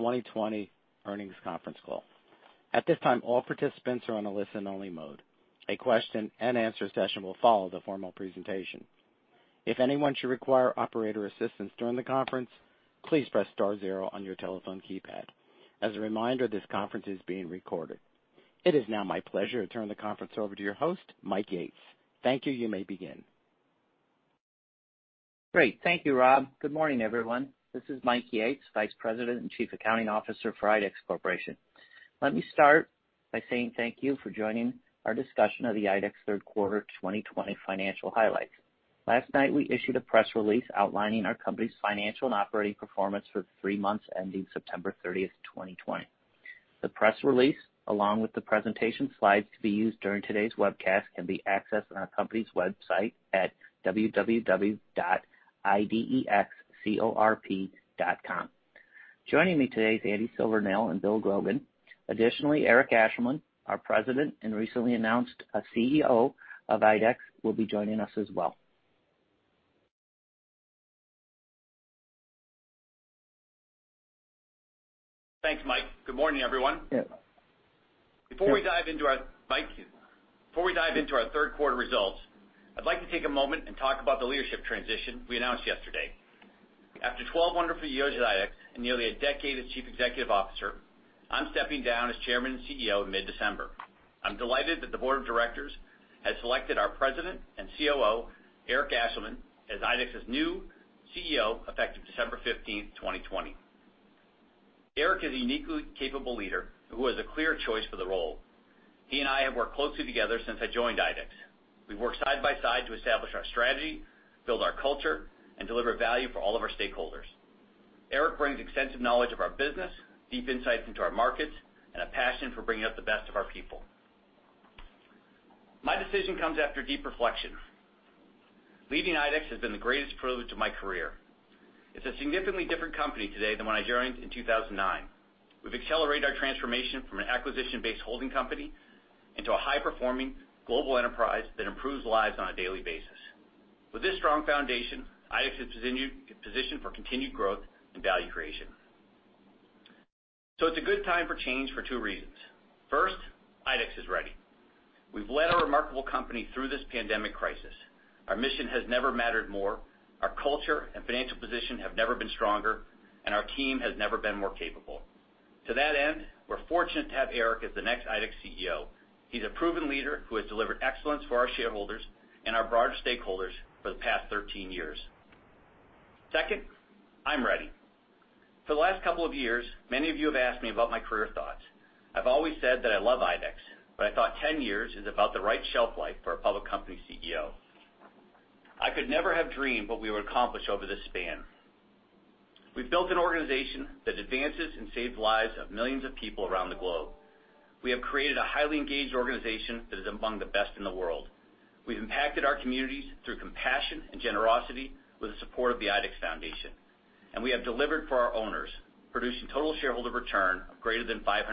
Quarter 2020 Earnings Conference Call. At this time, all participants are on a listen-only mode. A question-and-answer session will follow the formal presentation. If anyone should require operator assistance during the conference, please press star zero on your telephone keypad. As a reminder, this conference is being recorded. It is now my pleasure to turn the conference over to your host, Mike Yates. Thank you. You may begin. Great. Thank you, Rob. Good morning, everyone. This is Mike Yates, Vice President and Chief Accounting Officer for IDEX Corporation. Let me start by saying thank you for joining our discussion of the IDEX third quarter 2020 financial highlights. Last night, we issued a press release outlining our company's financial and operating performance for the three months ending September 30th, 2020. The press release, along with the presentation slides to be used during today's webcast, can be accessed on our company's website at www.idexcorp.com. Joining me today is Andy Silvernail and Bill Grogan. Additionally, Eric Ashleman, our President and recently announced CEO of IDEX, will be joining us as well. Thanks, Mike. Good morning, everyone. Yeah. Mike, before we dive into our third quarter results, I'd like to take a moment and talk about the leadership transition we announced yesterday. After 12 wonderful years at IDEX and nearly a decade as Chief Executive Officer, I'm stepping down as Chairman and CEO in mid-December. I'm delighted that the board of directors has selected our President and COO, Eric Ashleman, as IDEX's new CEO, effective December 15, 2020. Eric is a uniquely capable leader who is a clear choice for the role. He and I have worked closely together since I joined IDEX. We've worked side by side to establish our strategy, build our culture, and deliver value for all of our stakeholders. Eric brings extensive knowledge of our business, deep insights into our markets, and a passion for bringing out the best of our people. My decision comes after deep reflection. Leading IDEX has been the greatest privilege of my career. It's a significantly different company today than when I joined in 2009. We've accelerated our transformation from an acquisition-based holding company into a high-performing global enterprise that improves lives on a daily basis. With this strong foundation, IDEX is positioned for continued growth and value creation. It's a good time for change for two reasons. First, IDEX is ready. We've led a remarkable company through this pandemic crisis. Our mission has never mattered more, our culture and financial position have never been stronger, and our team has never been more capable. To that end, we're fortunate to have Eric as the next IDEX CEO. He's a proven leader who has delivered excellence for our shareholders and our broader stakeholders for the past 13 years. Second, I'm ready. For the last couple of years, many of you have asked me about my career thoughts. I've always said that I love IDEX, but I thought 10 years is about the right shelf life for a public company CEO. I could never have dreamed what we would accomplish over this span. We've built an organization that advances and saves lives of millions of people around the globe. We have created a highly engaged organization that is among the best in the world. We've impacted our communities through compassion and generosity with the support of the IDEX Foundation. We have delivered for our owners, producing total shareholder return of greater than 530%.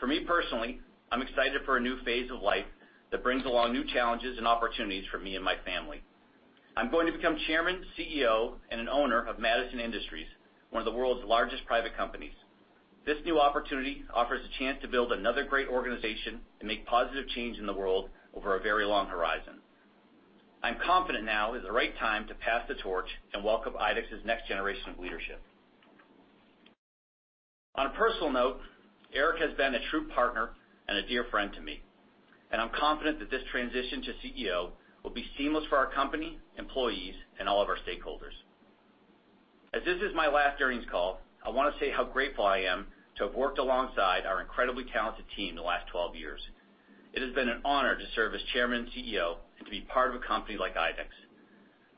For me personally, I'm excited for a new phase of life that brings along new challenges and opportunities for me and my family. I'm going to become Chairman, CEO, and an owner of Madison Industries, one of the world's largest private companies. This new opportunity offers a chance to build another great organization and make positive change in the world over a very long horizon. I'm confident now is the right time to pass the torch and welcome IDEX's next generation of leadership. On a personal note, Eric has been a true partner and a dear friend to me, and I'm confident that this transition to CEO will be seamless for our company, employees, and all of our stakeholders. As this is my last earnings call, I want to say how grateful I am to have worked alongside our incredibly talented team the last 12 years. It has been an honor to serve as Chairman and CEO and to be part of a company like IDEX.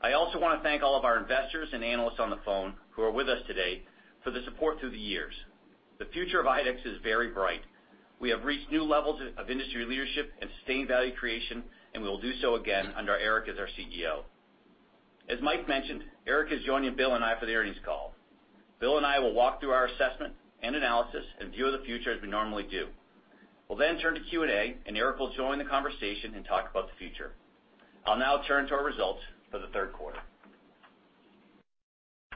I also want to thank all of our investors and analysts on the phone who are with us today for the support through the years. The future of IDEX is very bright. We have reached new levels of industry leadership and sustained value creation, and we will do so again under Eric as our CEO. As Mike mentioned, Eric is joining Bill and I for the earnings call. Bill and I will walk through our assessment and analysis and view of the future as we normally do. We'll then turn to Q&A, and Eric will join the conversation and talk about the future. I'll now turn to our results for the third quarter.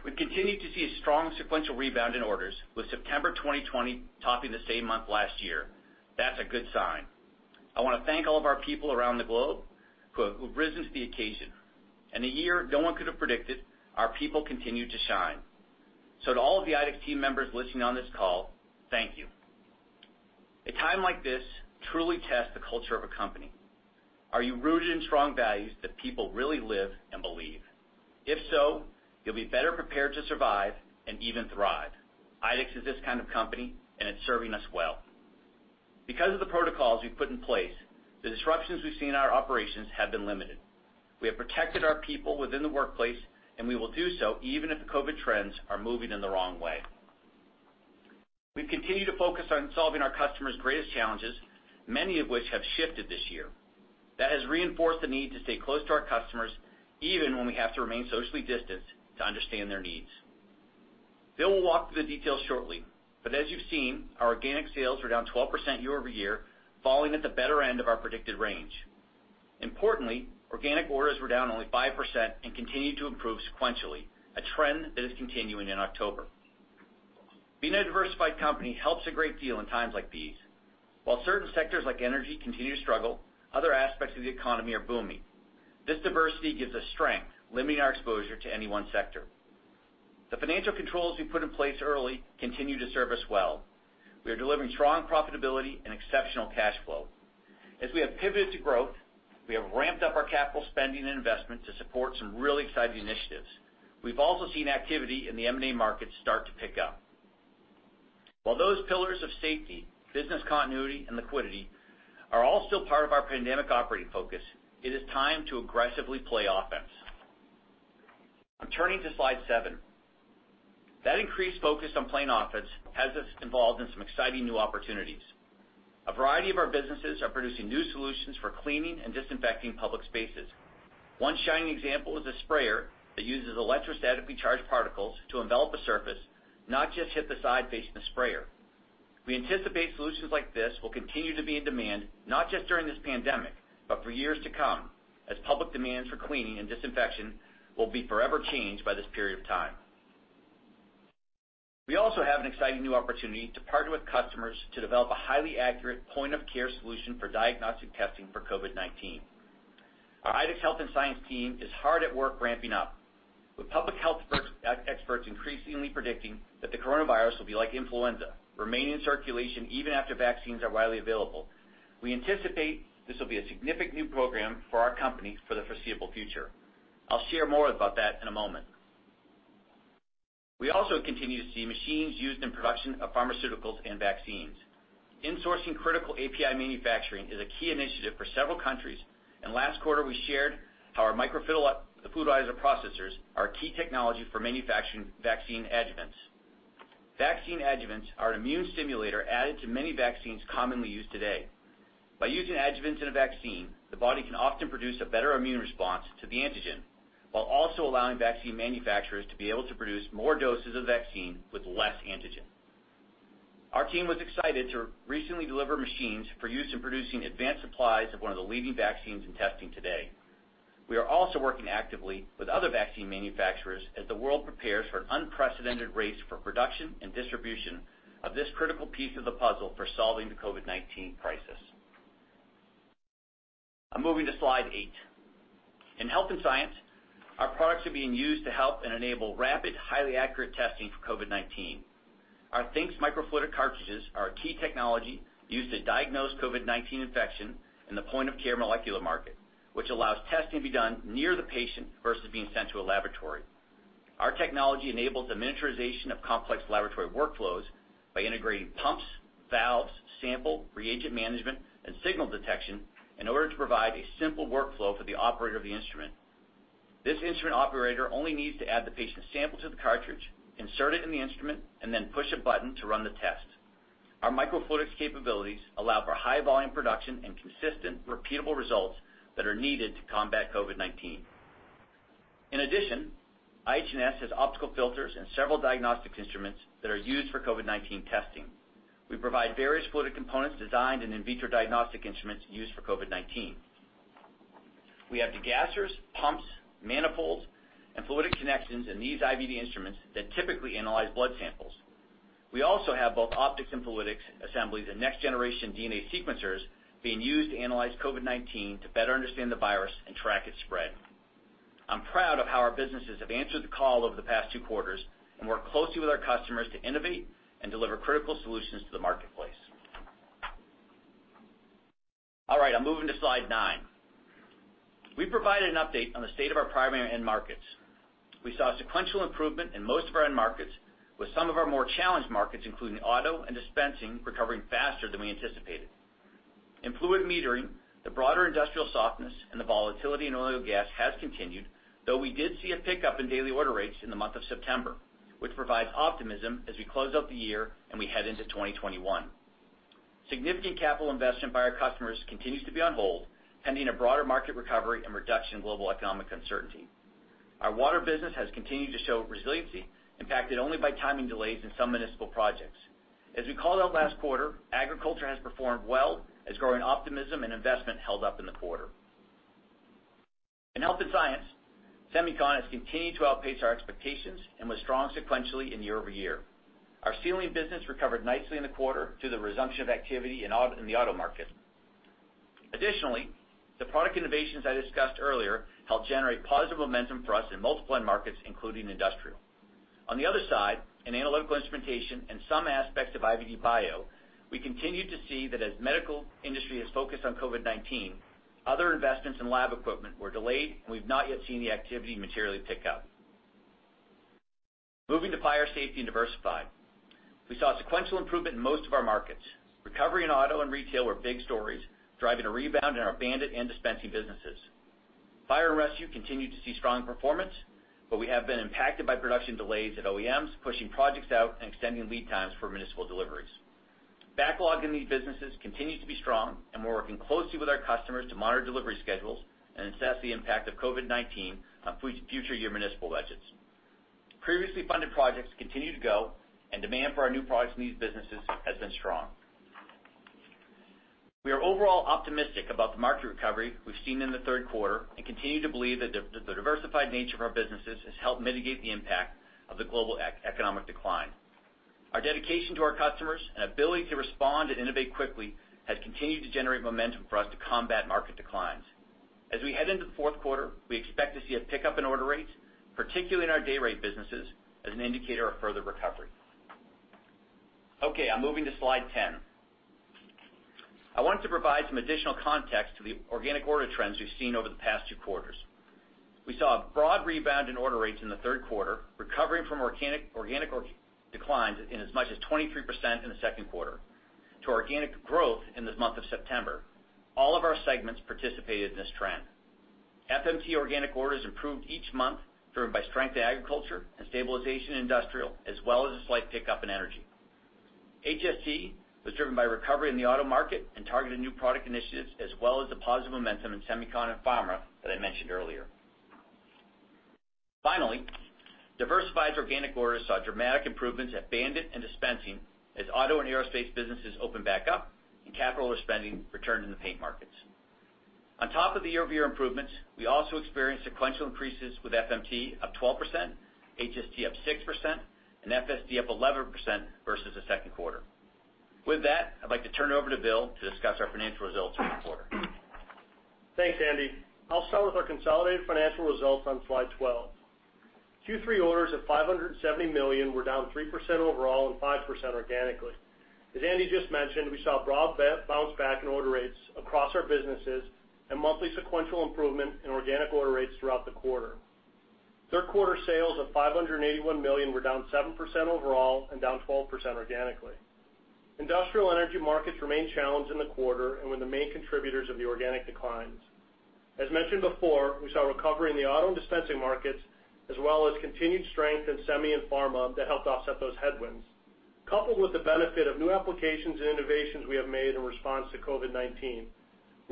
We've continued to see a strong sequential rebound in orders, with September 2020 topping the same month last year. That's a good sign. I want to thank all of our people around the globe who have risen to the occasion. In a year no one could have predicted, our people continued to shine. To all of the IDEX team members listening on this call, thank you. A time like this truly tests the culture of a company. Are you rooted in strong values that people really live and believe? If so, you'll be better prepared to survive and even thrive. IDEX is this kind of company, and it's serving us well. Because of the protocols we've put in place, the disruptions we've seen in our operations have been limited. We have protected our people within the workplace, and we will do so even if the COVID trends are moving in the wrong way. We've continued to focus on solving our customers' greatest challenges, many of which have shifted this year. That has reinforced the need to stay close to our customers, even when we have to remain socially distanced, to understand their needs. Bill will walk through the details shortly, but as you've seen, our organic sales are down 12% year-over-year, falling at the better end of our predicted range. Importantly, organic orders were down only 5% and continued to improve sequentially, a trend that is continuing in October. Being a diversified company helps a great deal in times like these. While certain sectors like energy continue to struggle, other aspects of the economy are booming. This diversity gives us strength, limiting our exposure to any one sector. The financial controls we put in place early continue to serve us well. We are delivering strong profitability and exceptional cash flow. As we have pivoted to growth, we have ramped up our capital spending and investment to support some really exciting initiatives. We've also seen activity in the M&A market start to pick up. While those pillars of safety, business continuity, and liquidity are all still part of our pandemic operating focus, it is time to aggressively play offense. I'm turning to slide seven. That increased focus on playing offense has us involved in some exciting new opportunities. A variety of our businesses are producing new solutions for cleaning and disinfecting public spaces. One shining example is a sprayer that uses electrostatically charged particles to envelop a surface, not just hit the side facing the sprayer. We anticipate solutions like this will continue to be in demand, not just during this pandemic, but for years to come, as public demands for cleaning and disinfection will be forever changed by this period of time. We also have an exciting new opportunity to partner with customers to develop a highly accurate point-of-care solution for diagnostic testing for COVID-19. Our IDEX Health & Science team is hard at work ramping up. With public health experts increasingly predicting that the coronavirus will be like influenza, remain in circulation even after vaccines are widely available, we anticipate this will be a significant new program for our company for the foreseeable future. I'll share more about that in a moment. We also continue to see machines used in production of pharmaceuticals and vaccines. Insourcing critical API manufacturing is a key initiative for several countries. Last quarter we shared how our Microfluidizer processors are a key technology for manufacturing vaccine adjuvants. Vaccine adjuvants are an immune stimulator added to many vaccines commonly used today. By using adjuvants in a vaccine, the body can often produce a better immune response to the antigen, while also allowing vaccine manufacturers to be able to produce more doses of vaccine with less antigen. Our team was excited to recently deliver machines for use in producing advanced supplies of one of the leading vaccines in testing today. We are also working actively with other vaccine manufacturers as the world prepares for an unprecedented race for production and distribution of this critical piece of the puzzle for solving the COVID-19 crisis. I'm moving to slide eight. In Health & Science, our products are being used to help and enable rapid, highly accurate testing for COVID-19. Our thinXXS microfluidic cartridges are a key technology used to diagnose COVID-19 infection in the point-of-care molecular market, which allows testing to be done near the patient versus being sent to a laboratory. Our technology enables the miniaturization of complex laboratory workflows by integrating pumps, valves, sample, reagent management, and signal detection in order to provide a simple workflow for the operator of the instrument. This instrument operator only needs to add the patient sample to the cartridge, insert it in the instrument, and then push a button to run the test. Our microfluidics capabilities allow for high volume production and consistent, repeatable results that are needed to combat COVID-19. In addition, IH&S has optical filters and several diagnostic instruments that are used for COVID-19 testing. We provide various fluidic components designed in in vitro diagnostic instruments used for COVID-19. We have degassers, pumps, manifolds, and fluidic connections in these IVD instruments that typically analyze blood samples. We also have both optics and fluidics assemblies in next-generation DNA sequencers being used to analyze COVID-19 to better understand the virus and track its spread. I'm proud of how our businesses have answered the call over the past two quarters and work closely with our customers to innovate and deliver critical solutions to the marketplace. All right, I'm moving to slide nine. We provided an update on the state of our primary end markets. We saw sequential improvement in most of our end markets with some of our more challenged markets, including auto and dispensing, recovering faster than we anticipated. In fluid metering, the broader industrial softness and the volatility in oil and gas has continued, though we did see a pickup in daily order rates in the month of September, which provides optimism as we close out the year and we head into 2021. Significant capital investment by our customers continues to be on hold, pending a broader market recovery and reduction in global economic uncertainty. Our water business has continued to show resiliency, impacted only by timing delays in some municipal projects. As we called out last quarter, agriculture has performed well as growing optimism and investment held up in the quarter. In Health & Science, semiconductor has continued to outpace our expectations and was strong sequentially and year-over-year. Our sealing business recovered nicely in the quarter due to the resumption of activity in the auto market. Additionally, the product innovations I discussed earlier helped generate positive momentum for us in multiple end markets, including industrial. On the other side, in analytical instrumentation and some aspects of IVD/Bio, we continued to see that as medical industry has focused on COVID-19, other investments in lab equipment were delayed, and we've not yet seen the activity materially pick up. Moving to Fire & Safety and Diversified. We saw sequential improvement in most of our markets. Recovery in auto and retail were big stories, driving a rebound in our BAND-IT and dispensing businesses. Fire and rescue continued to see strong performance, but we have been impacted by production delays at OEMs, pushing projects out and extending lead times for municipal deliveries. Backlog in these businesses continued to be strong, and we're working closely with our customers to monitor delivery schedules and assess the impact of COVID-19 on future year municipal budgets. Previously funded projects continue to go, and demand for our new products in these businesses has been strong. We are overall optimistic about the market recovery we've seen in the third quarter and continue to believe that the diversified nature of our businesses has helped mitigate the impact of the global economic decline. Our dedication to our customers and ability to respond and innovate quickly has continued to generate momentum for us to combat market declines. As we head into the fourth quarter, we expect to see a pickup in order rates, particularly in our day rate businesses, as an indicator of further recovery. Okay, I'm moving to slide 10. I wanted to provide some additional context to the organic order trends we've seen over the past two quarters. We saw a broad rebound in order rates in the third quarter, recovering from organic declines in as much as 23% in the second quarter to organic growth in the month of September. All of our segments participated in this trend. FMT organic orders improved each month, driven by strength in agriculture and stabilization in industrial, as well as a slight pickup in energy. HST was driven by recovery in the auto market and targeted new product initiatives, as well as the positive momentum in semiconductor and pharma that I mentioned earlier. Finally, diversified organic orders saw dramatic improvements at BAND-IT and Dispensing as auto and aerospace businesses open back up, and capital was spending returned in the paint markets. On top of the year-over-year improvements, we also experienced sequential increases with FMT up 12%, HST up 6%, and FSD up 11% versus the second quarter. With that, I'd like to turn it over to Bill to discuss our financial results for the quarter. Thanks, Andy. I'll start with our consolidated financial results on slide 12. Q3 orders of $570 million were down 3% overall and 5% organically. As Andy just mentioned, we saw a broad bounce back in order rates across our businesses and monthly sequential improvement in organic order rates throughout the quarter. Third quarter sales of $581 million were down 7% overall and down 12% organically. Industrial energy markets remained challenged in the quarter and were the main contributors of the organic declines. As mentioned before, we saw a recovery in the auto and dispensing markets, as well as continued strength in semi and pharma that helped offset those headwinds. Coupled with the benefit of new applications and innovations we have made in response to COVID-19, we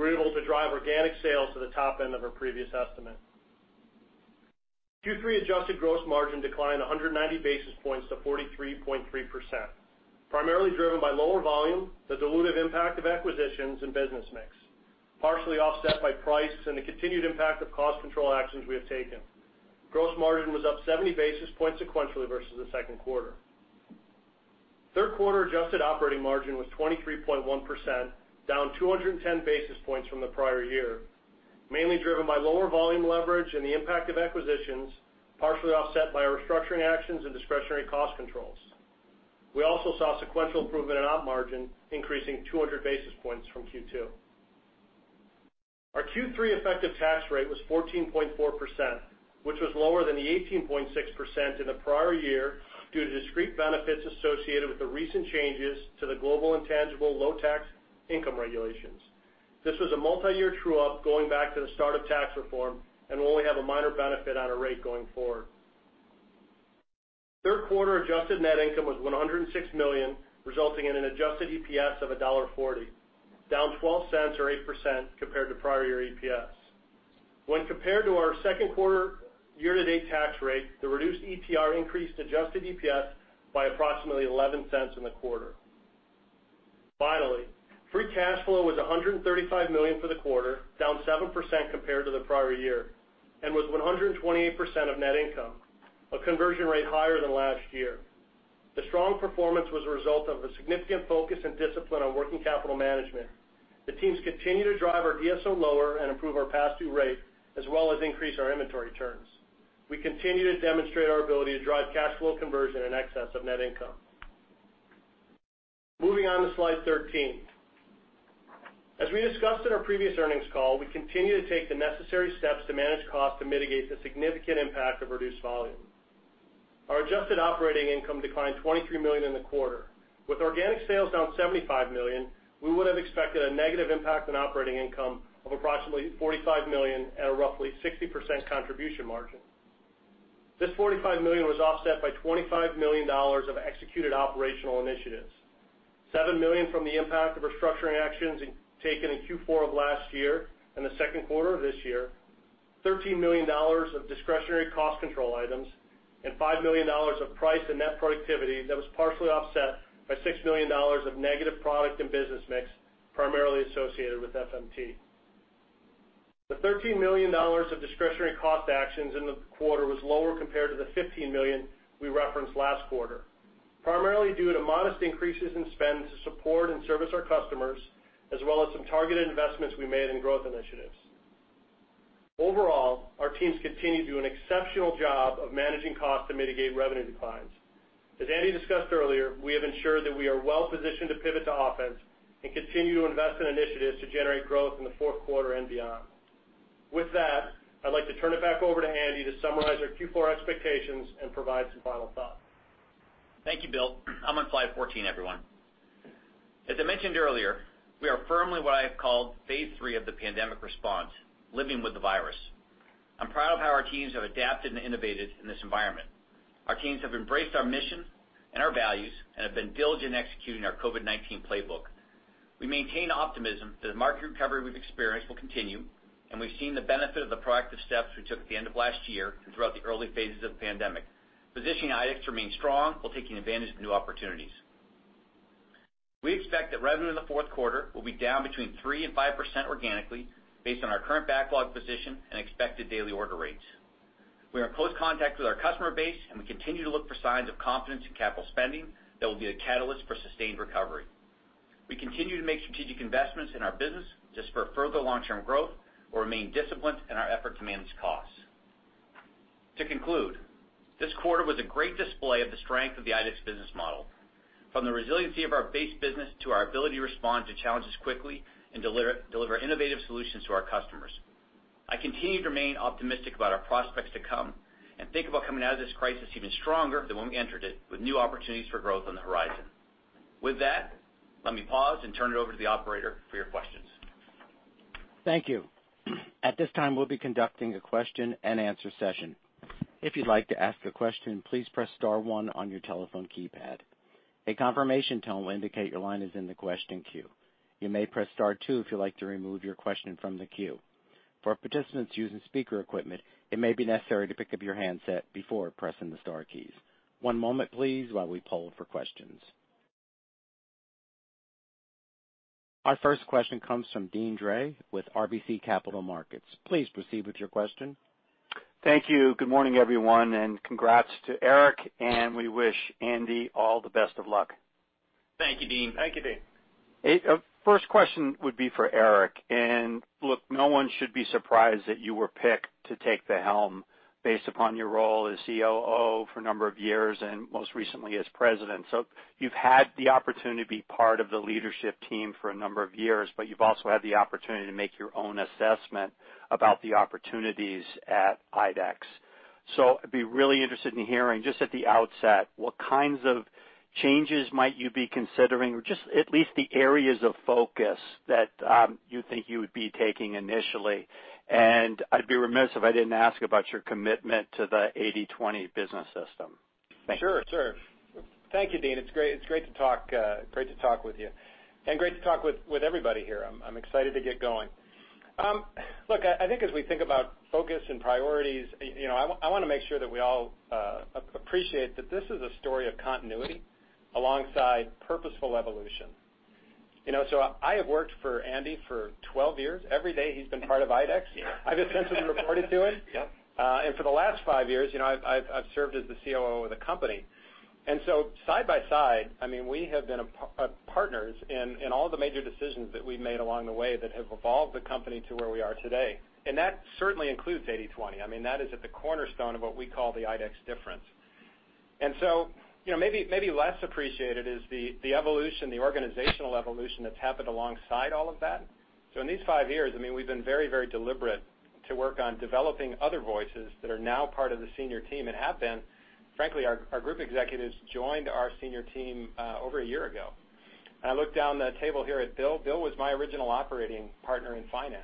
were able to drive organic sales to the top end of our previous estimate. Q3 adjusted gross margin declined 190 basis points to 43.3%, primarily driven by lower volume, the dilutive impact of acquisitions, and business mix, partially offset by price and the continued impact of cost control actions we have taken. Gross margin was up 70 basis points sequentially versus the second quarter. Third quarter adjusted operating margin was 23.1%, down 210 basis points from the prior year, mainly driven by lower volume leverage and the impact of acquisitions, partially offset by our restructuring actions and discretionary cost controls. We also saw sequential improvement in op margin, increasing 200 basis points from Q2. Our Q3 effective tax rate was 14.4%, which was lower than the 18.6% in the prior year due to discrete benefits associated with the recent changes to the Global Intangible Low-Taxed Income regulations. This was a multiyear true-up going back to the start of tax reform and will only have a minor benefit on our rate going forward. Third quarter adjusted net income was $106 million, resulting in an adjusted EPS of $1.40, down $0.12 or 8% compared to prior year EPS. When compared to our second quarter year-to-date tax rate, the reduced ETR increased adjusted EPS by approximately $0.11 in the quarter. Finally, free cash flow was $135 million for the quarter, down 7% compared to the prior year, and was 128% of net income, a conversion rate higher than last year. The strong performance was a result of a significant focus and discipline on working capital management. The teams continue to drive our DSO lower and improve our past due rate, as well as increase our inventory turns. We continue to demonstrate our ability to drive cash flow conversion in excess of net income. Moving on to slide 13. As we discussed in our previous earnings call, we continue to take the necessary steps to manage costs to mitigate the significant impact of reduced volume. Our adjusted operating income declined $23 million in the quarter. With organic sales down $75 million, we would have expected a negative impact on operating income of approximately $45 million at a roughly 60% contribution margin. This $45 million was offset by $25 million of executed operational initiatives. $7 million from the impact of restructuring actions taken in Q4 of last year and the second quarter of this year, $13 million of discretionary cost control items, and $5 million of price and net productivity that was partially offset by $6 million of negative product and business mix, primarily associated with FMT. The $13 million of discretionary cost actions in the quarter was lower compared to the $15 million we referenced last quarter, primarily due to modest increases in spend to support and service our customers, as well as some targeted investments we made in growth initiatives. Overall, our teams continue to do an exceptional job of managing costs to mitigate revenue declines. As Andy discussed earlier, we have ensured that we are well positioned to pivot to offense and continue to invest in initiatives to generate growth in the fourth quarter and beyond. With that, I'd like to turn it back over to Andy to summarize our Q4 expectations and provide some final thoughts. Thank you, Bill. I'm on slide 14, everyone. As I mentioned earlier, we are firmly what I have called phase three of the pandemic response, living with the virus. I'm proud of how our teams have adapted and innovated in this environment. Our teams have embraced our mission and our values and have been diligent in executing our COVID-19 playbook. We maintain optimism that the market recovery we've experienced will continue, and we've seen the benefit of the proactive steps we took at the end of last year and throughout the early phases of the pandemic, positioning IDEX to remain strong while taking advantage of new opportunities. We expect that revenue in the fourth quarter will be down between 3% and 5% organically based on our current backlog position and expected daily order rates. We are in close contact with our customer base, and we continue to look for signs of confidence in capital spending that will be a catalyst for sustained recovery. We continue to make strategic investments in our business to spur further long-term growth, while remaining disciplined in our effort to manage costs. To conclude, this quarter was a great display of the strength of the IDEX business model, from the resiliency of our base business to our ability to respond to challenges quickly and deliver innovative solutions to our customers. I continue to remain optimistic about our prospects to come and think about coming out of this crisis even stronger than when we entered it, with new opportunities for growth on the horizon. With that, let me pause and turn it over to the operator for your questions. Thank you. At this time will be conducting a question and answer session. If you would like to a question please press star one on your telephone keypad, a confirmation tone will indicate your line is on the question queue. You may press star two if you like to remove your question from the queue. For participants using speakerphone equipment, it may be necessary to pick up your handset before pressing the star keys. One moment please as we call for questions please. Our first question comes from Deane Dray with RBC Capital Markets. Please proceed with your question. Thank you. Good morning, everyone, and congrats to Eric, and we wish Andy all the best of luck. Thank you, Deane. Thank you, Deane. First question would be for Eric. Look, no one should be surprised that you were picked to take the helm based upon your role as COO for a number of years and most recently as President. You've had the opportunity to be part of the leadership team for a number of years, but you've also had the opportunity to make your own assessment about the opportunities at IDEX. I'd be really interested in hearing, just at the outset, what kinds of changes might you be considering, or just at least the areas of focus that you think you would be taking initially. I'd be remiss if I didn't ask about your commitment to the 80/20 business system. Thank you. Sure. Thank you, Deane. It's great to talk with you, and great to talk with everybody here. I'm excited to get going. Look, I think as we think about focus and priorities, I want to make sure that we all appreciate that this is a story of continuity alongside purposeful evolution. I have worked for Andy for 12 years. Every day he's been part of IDEX. Yeah. I've essentially reported to him. Yep. For the last five years, I've served as the COO of the company. Side by side, we have been partners in all the major decisions that we've made along the way that have evolved the company to where we are today. That certainly includes 80/20. That is at the cornerstone of what we call the IDEX Difference. Maybe less appreciated is the organizational evolution that's happened alongside all of that. In these five years, we've been very deliberate to work on developing other voices that are now part of the senior team and have been. Frankly, our group executives joined our senior team over a year ago. I look down the table here at Bill. Bill was my original operating partner in finance.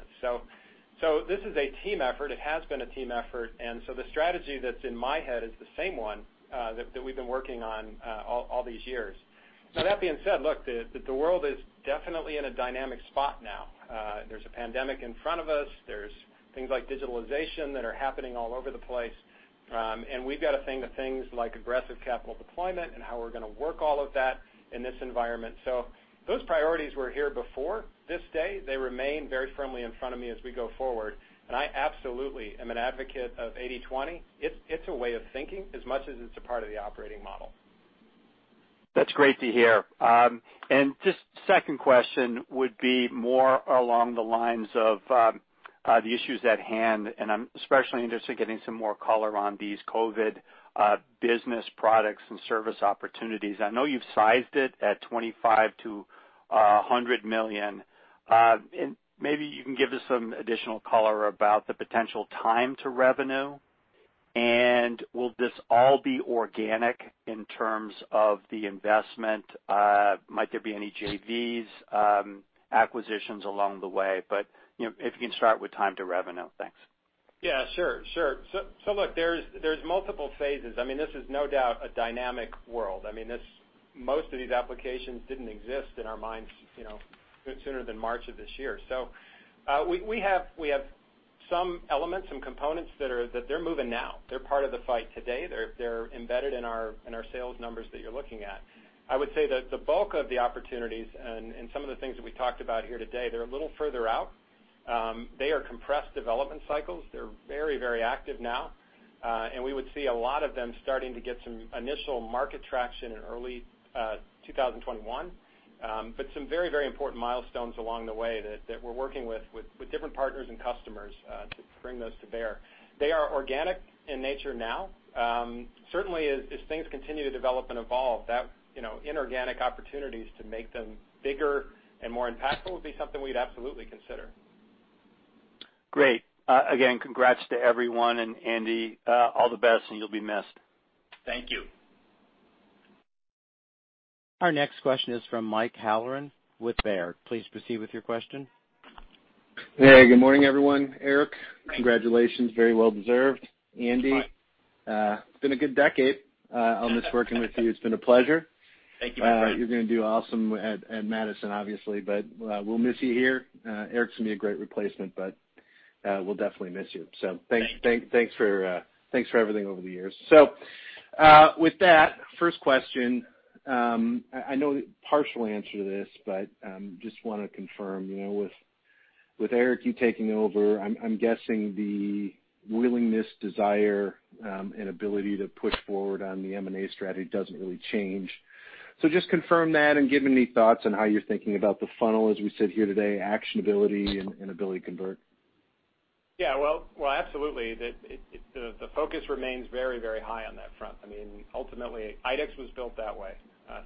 This is a team effort. It has been a team effort. The strategy that's in my head is the same one that we've been working on all these years. That being said, look, the world is definitely in a dynamic spot now. There's a pandemic in front of us. There's things like digitalization that are happening all over the place. We've got to think of things like aggressive capital deployment and how we're going to work all of that in this environment. Those priorities were here before this day. They remain very firmly in front of me as we go forward. I absolutely am an advocate of 80/20. It's a way of thinking as much as it's a part of the operating model. That's great to hear. Just second question would be more along the lines of the issues at hand, I'm especially interested in getting some more color on these COVID-19 business products and service opportunities. I know you've sized it at $25 million-$100 million. Maybe you can give us some additional color about the potential time to revenue, will this all be organic in terms of the investment? Might there be any JVs, acquisitions along the way? If you can start with time to revenue. Thanks. Yeah, sure. Look, there's multiple phases. This is no doubt a dynamic world. Most of these applications didn't exist in our minds sooner than March of this year. We have some elements, some components that they're moving now. They're part of the fight today. They're embedded in our sales numbers that you're looking at. I would say that the bulk of the opportunities and some of the things that we talked about here today, they're a little further out. They are compressed development cycles. They're very active now. We would see a lot of them starting to get some initial market traction in early 2021. Some very important milestones along the way that we're working with different partners and customers to bring those to bear. They are organic in nature now. Certainly, as things continue to develop and evolve, inorganic opportunities to make them bigger and more impactful would be something we'd absolutely consider. Great. Again, congrats to everyone, and Andy all the best, and you'll be missed. Thank you. Our next question is from Mike Halloran with Baird. Please proceed with your question. Hey, good morning, everyone. Eric, congratulations. Very well deserved. Andy. Thanks, it's been a good decade. I'll miss working with you. It's been a pleasure. Thank you, my friend. You're going to do awesome at Madison, obviously, but we'll miss you here. Eric's going to be a great replacement, but we'll definitely miss you. Thanks for everything over the years. With that, first question, I know partially answered this, but just want to confirm. With Eric, you taking over, I'm guessing the willingness, desire, and ability to push forward on the M&A strategy doesn't really change. Just confirm that and give any thoughts on how you're thinking about the funnel as we sit here today, actionability, and ability to convert. Yeah, well, absolutely. The focus remains very, very high on that front. Ultimately, IDEX was built that way,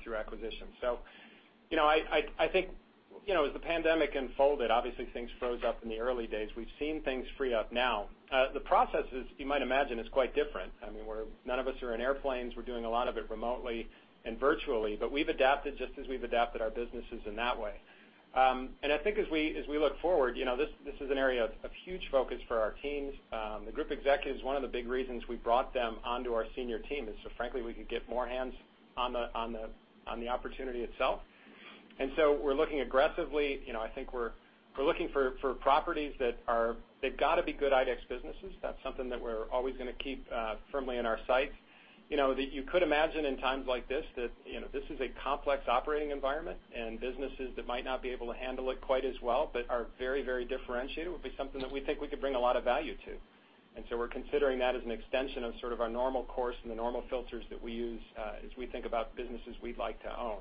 through acquisition. I think, as the pandemic unfolded, obviously things froze up in the early days. We've seen things free up now. The process is, you might imagine, is quite different. None of us are in airplanes. We're doing a lot of it remotely and virtually, but we've adapted just as we've adapted our businesses in that way. I think as we look forward, this is an area of huge focus for our teams. The group executives, one of the big reasons we brought them onto our senior team is, frankly, we could get more hands on the opportunity itself. We're looking aggressively. I think we're looking for properties. They've got to be good IDEX businesses. That's something that we're always going to keep firmly in our sights. You could imagine in times like this, that this is a complex operating environment, and businesses that might not be able to handle it quite as well, but are very, very differentiated, would be something that we think we could bring a lot of value to. We're considering that as an extension of sort of our normal course and the normal filters that we use as we think about businesses we'd like to own.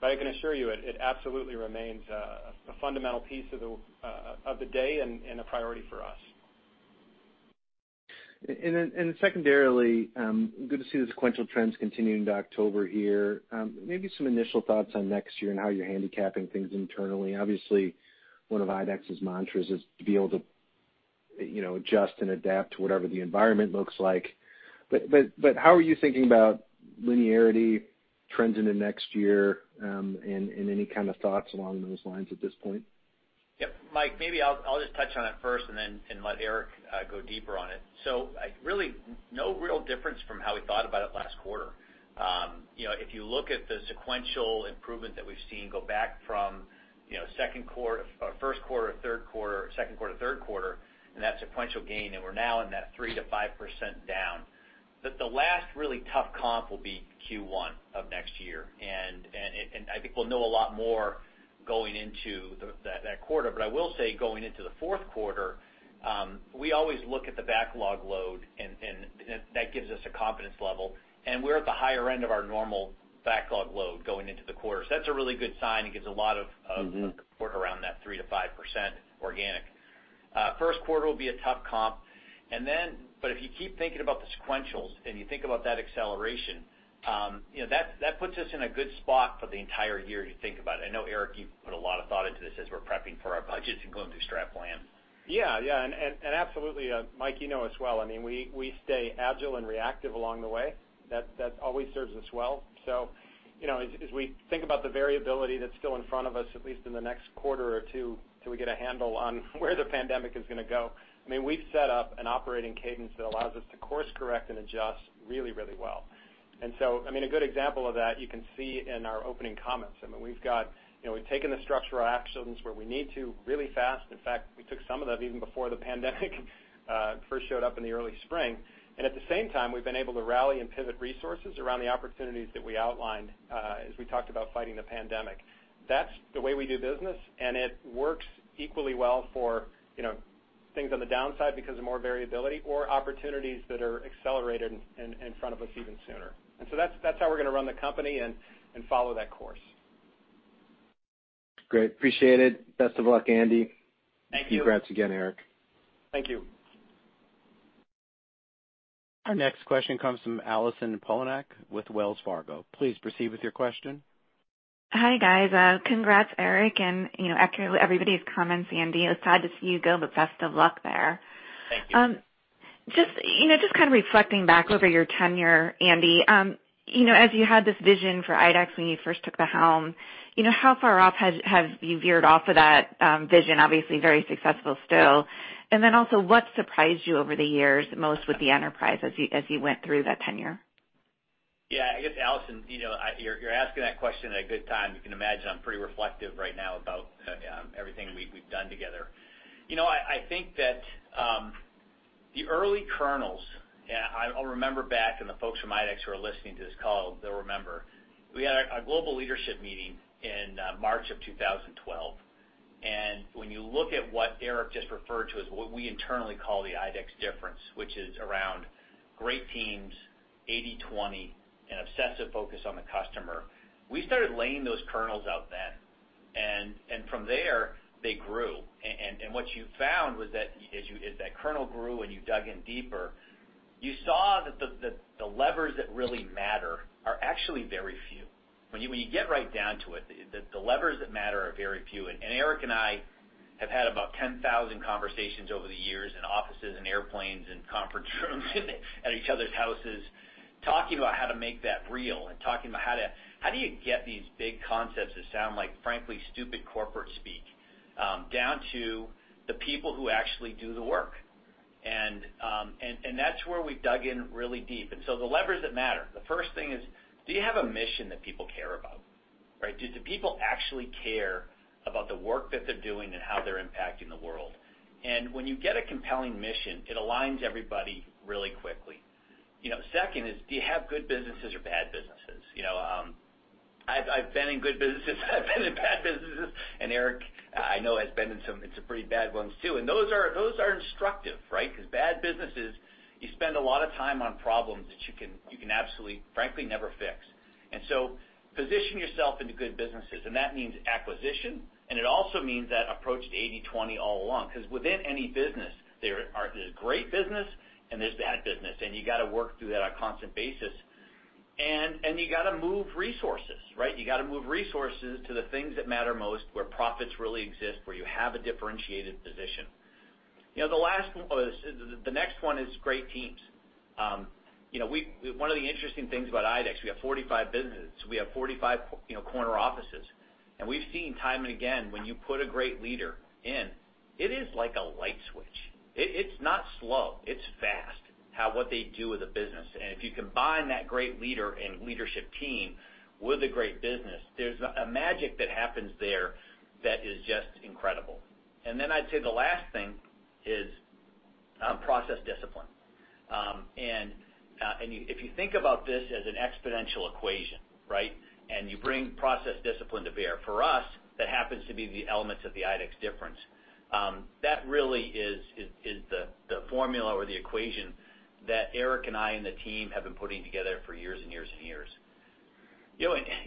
I can assure you, it absolutely remains a fundamental piece of the day and a priority for us. Secondarily, good to see the sequential trends continuing into October here. Maybe some initial thoughts on next year and how you're handicapping things internally. Obviously, one of IDEX's mantras is to be able to adjust and adapt to whatever the environment looks like. How are you thinking about linearity trends into next year, and any kind of thoughts along those lines at this point? Yep. Mike, maybe I'll just touch on it first and then let Eric go deeper on it. Really, no real difference from how we thought about it last quarter. If you look at the sequential improvement that we've seen, go back from first quarter to third quarter, second quarter to third quarter, and that sequential gain, we're now in that 3%-5% down. The last really tough comp will be Q1 of next year, I think we'll know a lot more going into that quarter. I will say, going into the fourth quarter, we always look at the backlog load, that gives us a confidence level. We're at the higher end of our normal backlog load going into the quarter. That's a really good sign and gives a lot of support around that 3%-5% organic. First quarter will be a tough comp. If you keep thinking about the sequentials and you think about that acceleration, that puts us in a good spot for the entire year to think about it. I know, Eric, you've put a lot of thought into this as we're prepping for our budgets and going through strat plans. Yeah. Absolutely, Mike, you know as well, we stay agile and reactive along the way. That always serves us well. As we think about the variability that's still in front of us, at least in the next quarter or two, till we get a handle on where the pandemic is going to go. We've set up an operating cadence that allows us to course correct and adjust really well. A good example of that you can see in our opening comments. We've taken the structural actions where we need to really fast. In fact, we took some of them even before the pandemic first showed up in the early spring. At the same time, we've been able to rally and pivot resources around the opportunities that we outlined as we talked about fighting the pandemic. That's the way we do business, and it works equally well for things on the downside because of more variability or opportunities that are accelerated in front of us even sooner. That's how we're going to run the company and follow that course. Great. Appreciate it. Best of luck, Andy. Thank you. Congrats again, Eric. Thank you. Our next question comes from Allison Poliniak with Wells Fargo. Please proceed with your question. Hi, guys. Congrats, Eric, and echo everybody's comments, Andy. It's sad to see you go, but best of luck there. Thank you. Just kind of reflecting back over your tenure, Andy. You had this vision for IDEX when you first took the helm, how far off have you veered off of that vision? Obviously very successful still. What surprised you over the years most with the enterprise as you went through that tenure? I guess, Allison Poliniak, you're asking that question at a good time. You can imagine I'm pretty reflective right now about everything we've done together. I think that the early kernels, I'll remember back, and the folks from IDEX who are listening to this call, they'll remember. We had a global leadership meeting in March of 2012, and when you look at what Eric Ashleman just referred to as what we internally call the IDEX Difference, which is around great teams, 80/20, an obsessive focus on the customer. We started laying those kernels out then, and from there they grew. What you found was that as that kernel grew and you dug in deeper, you saw that the levers that really matter are actually very few. When you get right down to it, the levers that matter are very few. Eric and I have had about 10,000 conversations over the years in offices and airplanes and conference rooms at each other's houses. Talking about how to make that real and talking about how do you get these big concepts that sound like, frankly, stupid corporate speak, down to the people who actually do the work. That's where we've dug in really deep. So the levers that matter, the first thing is, do you have a mission that people care about, right? Do the people actually care about the work that they're doing and how they're impacting the world? When you get a compelling mission, it aligns everybody really quickly. Second is, do you have good businesses or bad businesses? I've been in good businesses I've been in bad businesses, and Eric, I know has been in some pretty bad ones, too. Those are instructive, right? Because bad businesses, you spend a lot of time on problems that you can absolutely, frankly, never fix. Position yourself into good businesses, and that means acquisition, and it also means that approach to 80/20 all along. Within any business, there's great business and there's bad business, and you got to work through that on a constant basis. You got to move resources, right? You got to move resources to the things that matter most, where profits really exist, where you have a differentiated position. The next one is great teams. One of the interesting things about IDEX, we have 45 businesses, we have 45 corner offices. We've seen time and again, when you put a great leader in, it is like a light switch. It's not slow. It's fast, what they do with the business. If you combine that great leader and leadership team with a great business, there's a magic that happens there that is just incredible. Then I'd say the last thing is process discipline. If you think about this as an exponential equation, right? You bring process discipline to bear. For us, that happens to be the elements of the IDEX Difference. That really is the formula or the equation that Eric and I and the team have been putting together for years and years and years.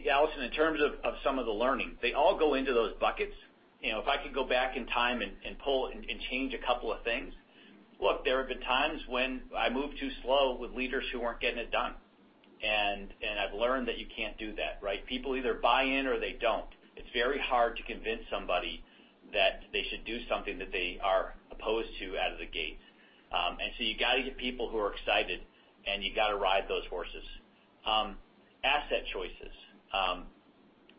Allison, in terms of some of the learning, they all go into those buckets. If I could go back in time and change a couple of things. Look, there have been times when I moved too slow with leaders who weren't getting it done. I've learned that you can't do that, right? People either buy in or they don't. It's very hard to convince somebody that they should do something that they are opposed to out of the gate. You got to get people who are excited, and you got to ride those horses. Asset choices.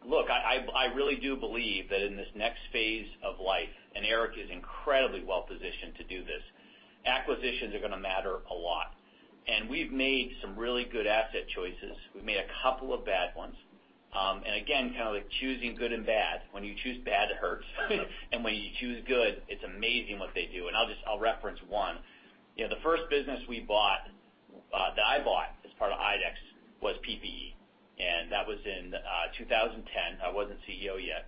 Look, I really do believe that in this next phase of life, and Eric is incredibly well positioned to do this, acquisitions are going to matter a lot. We've made some really good asset choices. We've made a couple of bad ones. Again, kind of like choosing good and bad, when you choose bad, it hurts. When you choose good, it's amazing what they do. I'll reference one. The first business we bought, that I bought as part of IDEX, was PPE, and that was in 2010. I wasn't CEO yet.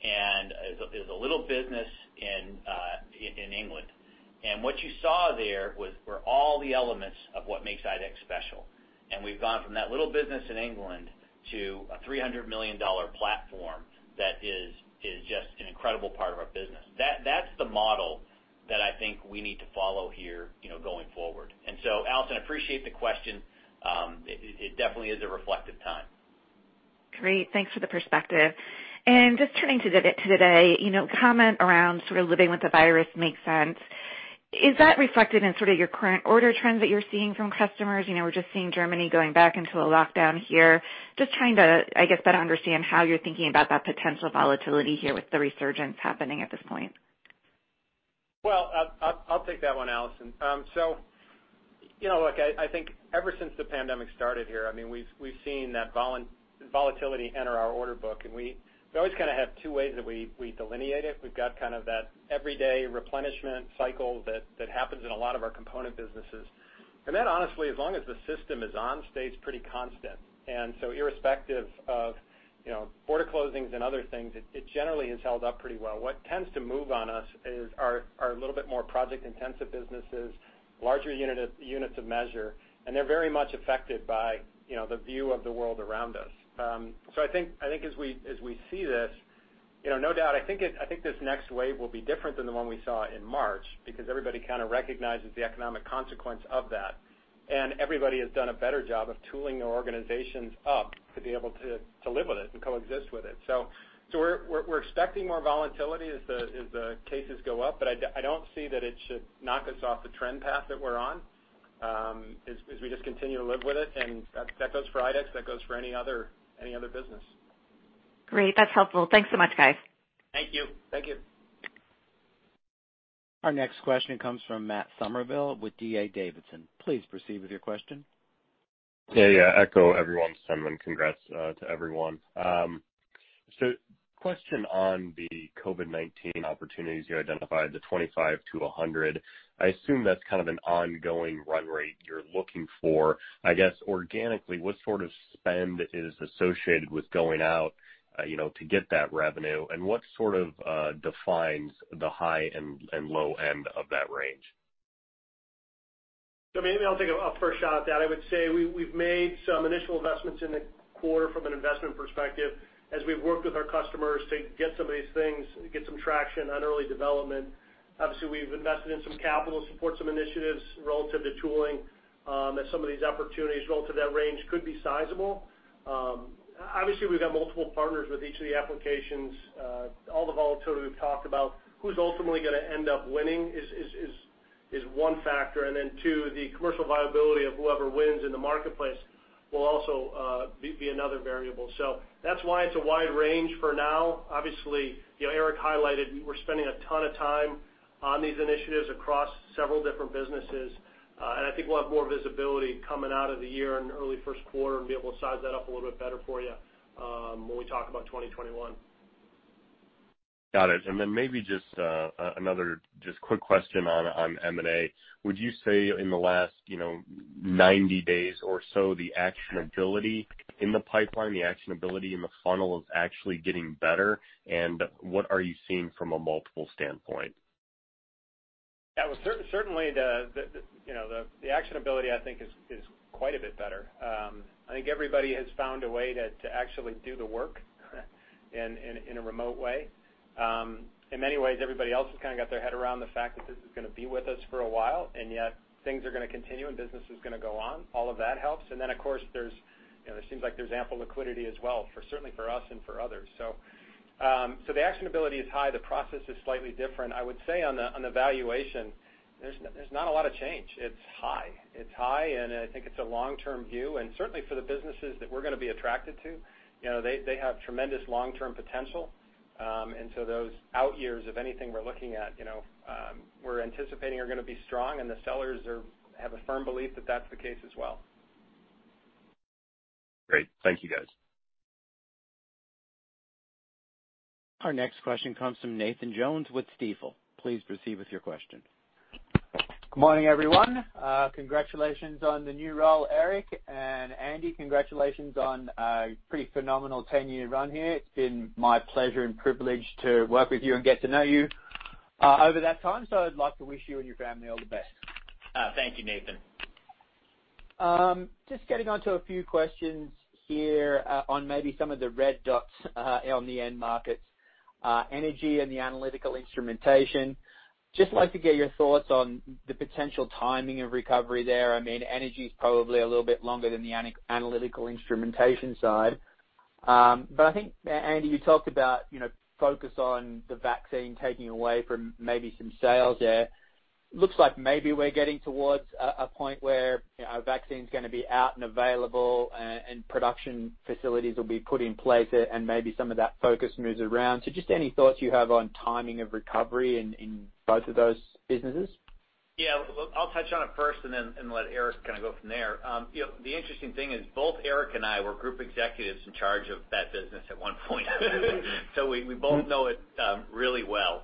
It was a little business in England. What you saw there were all the elements of what makes IDEX special. We've gone from that little business in England to a $300 million platform that is just an incredible part of our business. That's the model that I think we need to follow here, going forward. Allison, appreciate the question. It definitely is a reflective time. Great. Thanks for the perspective. Just turning to today, comment around sort of living with the virus makes sense. Is that reflected in sort of your current order trends that you're seeing from customers? We're just seeing Germany going back into a lockdown here. Just trying to better understand how you're thinking about that potential volatility here with the resurgence happening at this point? I'll take that one, Allison. Look, I think ever since the pandemic started here, we've seen that volatility enter our order book, and we always kind of have two ways that we delineate it. We've got kind of that everyday replenishment cycle that happens in a lot of our component businesses. That, honestly, as long as the system is on, stays pretty constant. Irrespective of border closings and other things, it generally has held up pretty well. What tends to move on us is our little bit more project-intensive businesses, larger units of measure, and they're very much affected by the view of the world around us. I think as we see this, no doubt, I think this next wave will be different than the one we saw in March, because everybody kind of recognizes the economic consequence of that. Everybody has done a better job of tooling their organizations up to be able to live with it and coexist with it. We're expecting more volatility as the cases go up, but I don't see that it should knock us off the trend path that we're on, as we just continue to live with it, and that goes for IDEX, that goes for any other business. Great. That's helpful. Thanks so much, guys. Thank you. Thank you. Our next question comes from Matt Summerville with D.A. Davidson. Please proceed with your question. Yeah. Echo everyone's sentiment. Congrats to everyone. Question on the COVID-19 opportunities. You identified the $25-$100. I assume that's kind of an ongoing run rate you're looking for. I guess organically, what sort of spend is associated with going out to get that revenue, and what sort of defines the high and low end of that range? Maybe I'll take a first shot at that. I would say we've made some initial investments in the quarter from an investment perspective as we've worked with our customers to get some of these things, get some traction on early development. Obviously, we've invested in some capital to support some initiatives relative to tooling, as some of these opportunities relative to that range could be sizable. Obviously, we've got multiple partners with each of the applications. All the volatility we've talked about, who's ultimately going to end up winning is. Is one factor. Two, the commercial viability of whoever wins in the marketplace will also be another variable. That's why it's a wide range for now. Obviously, Eric highlighted we're spending a ton of time on these initiatives across several different businesses. I think we'll have more visibility coming out of the year in early first quarter and be able to size that up a little bit better for you when we talk about 2021. Got it. Maybe just another quick question on M&A. Would you say in the last 90 days or so, the actionability in the pipeline, the actionability in the funnel is actually getting better? What are you seeing from a multiple standpoint? Yeah. Well, certainly, the actionability, I think is quite a bit better. I think everybody has found a way to actually do the work in a remote way. In many ways, everybody else has kind of got their head around the fact that this is going to be with us for a while, and yet things are going to continue, and business is going to go on. All of that helps. Of course, it seems like there's ample liquidity as well. Certainly for us and for others. The actionability is high. The process is slightly different. I would say on the valuation, there's not a lot of change. It's high. It's high, and I think it's a long-term view, and certainly for the businesses that we're going to be attracted to, they have tremendous long-term potential. Those out years of anything we're looking at, we're anticipating are going to be strong, and the sellers have a firm belief that that's the case as well. Great. Thank you, guys. Our next question comes from Nathan Jones with Stifel. Please proceed with your question. Good morning, everyone. Congratulations on the new role, Eric, and Andy, congratulations on a pretty phenomenal 10-year run here. It's been my pleasure and privilege to work with you and get to know you over that time, so I'd like to wish you and your family all the best. Thank you, Nathan. Just getting onto a few questions here on maybe some of the red dots on the end markets. Energy and the analytical instrumentation. Just like to get your thoughts on the potential timing of recovery there. Energy is probably a little bit longer than the analytical instrumentation side. I think, Andy, you talked about focus on the vaccine taking away from maybe some sales there. Looks like maybe we're getting towards a point where a vaccine's going to be out and available, and production facilities will be put in place, and maybe some of that focus moves around. Just any thoughts you have on timing of recovery in both of those businesses? Yeah, I'll touch on it first and then let Eric kind of go from there. The interesting thing is both Eric and I were group executives in charge of that business at one point. We both know it really well.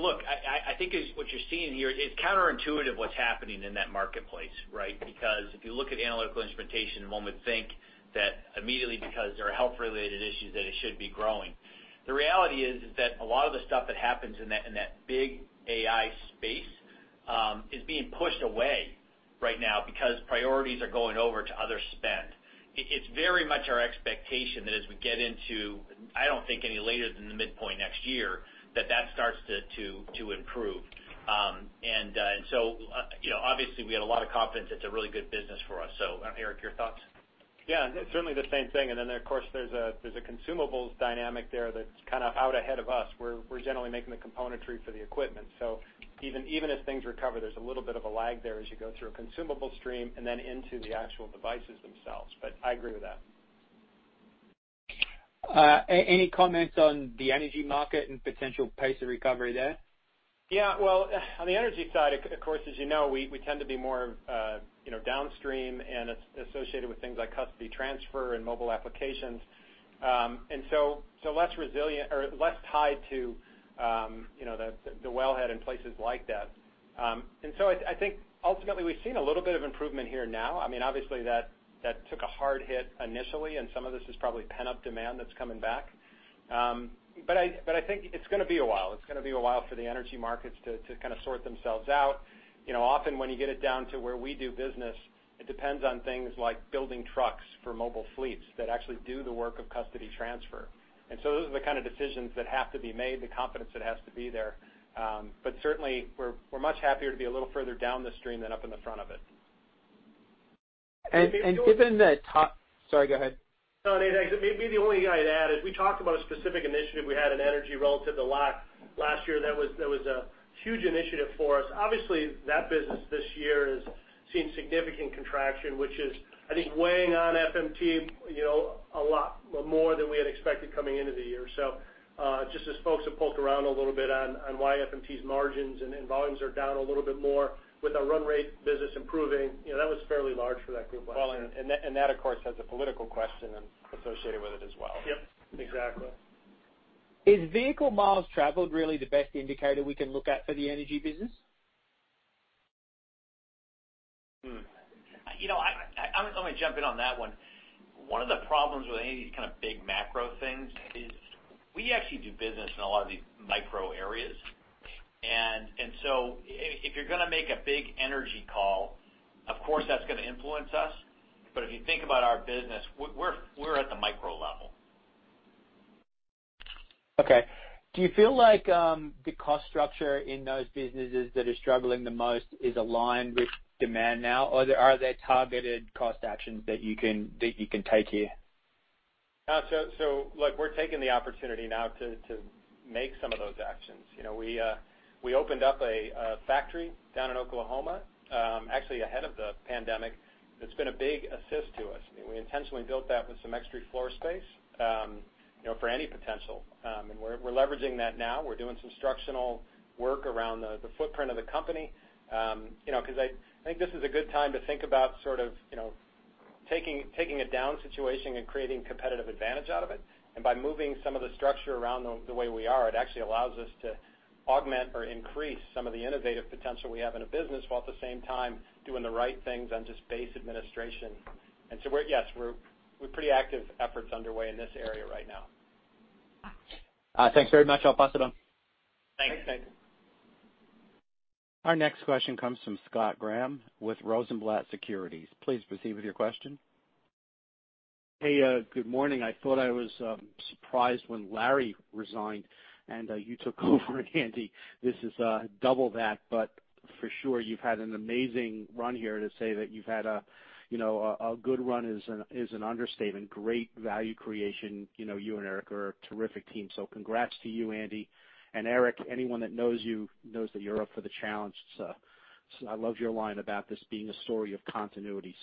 Look, I think what you're seeing here, it's counterintuitive what's happening in that marketplace, right? If you look at analytical instrumentation, one would think that immediately because there are health-related issues, that it should be growing. The reality is that a lot of the stuff that happens in that big A&I space is being pushed away right now because priorities are going over to other spend. It's very much our expectation that as we get into, I don't think any later than the midpoint next year, that that starts to improve. Obviously, we had a lot of confidence. It's a really good business for us. Eric, your thoughts? Yeah, certainly the same thing. Then, of course, there's a consumables dynamic there that's kind of out ahead of us. We're generally making the componentry for the equipment. Even as things recover, there's a little bit of a lag there as you go through a consumable stream and then into the actual devices themselves. I agree with that. Any comments on the energy market and potential pace of recovery there? Yeah. Well, on the energy side, of course, as you know, we tend to be more downstream and associated with things like custody transfer and mobile applications. Less tied to the wellhead and places like that. I think ultimately, we've seen a little bit of improvement here now. Obviously, that took a hard hit initially, and some of this is probably pent-up demand that's coming back. I think it's going to be a while. It's going to be a while for the energy markets to kind of sort themselves out. Often, when you get it down to where we do business, it depends on things like building trucks for mobile fleets that actually do the work of custody transfer. Those are the kind of decisions that have to be made, the competence that has to be there. Certainly, we're much happier to be a little further down the stream than up in the front of it. Sorry, go ahead. No, Nathan. Maybe the only thing I'd add is we talked about a specific initiative we had in energy relative to LACT last year. That was a huge initiative for us. Obviously, that business this year has seen significant contraction, which is, I think, weighing on FMT a lot more than we had expected coming into the year. Just as folks have poked around a little bit on why FMT's margins and volumes are down a little bit more with our run rate business improving, that was fairly large for that group last year. Well, that, of course, has a political question associated with it as well. Yep, exactly. Is vehicle miles traveled really the best indicator we can look at for the energy business? I'm going to jump in on that one. One of the problems with any of these kind of big macro things is we actually do business in a lot of these micro areas. If you're going to make a big energy call, of course, that's going to influence us. If you think about our business, we're at the micro level. Okay. Do you feel like the cost structure in those businesses that are struggling the most is aligned with demand now? Or are there targeted cost actions that you can take here? Look, we're taking the opportunity now to make some of those actions. We opened up a factory down in Oklahoma, actually ahead of the pandemic. It's been a big assist to us. We intentionally built that with some extra floor space for any potential. We're leveraging that now. We're doing some structural work around the footprint of the company, because I think this is a good time to think about taking a down situation and creating competitive advantage out of it. By moving some of the structure around the way we are, it actually allows us to augment or increase some of the innovative potential we have in a business, while at the same time, doing the right things on just base administration. Yes, we're pretty active efforts underway in this area right now. Thanks very much. I'll pass it on. Thanks. Thank you. Our next question comes from Scott Graham with Rosenblatt Securities. Please proceed with your question. Hey, good morning. I thought I was surprised when Larry resigned, you took over, Andy. This is double that, for sure you've had an amazing run here. To say that you've had a good run is an understatement. Great value creation. You and Eric are a terrific team. Congrats to you, Andy. Eric, anyone that knows you, knows that you're up for the challenge. I love your line about this being a story of continuity.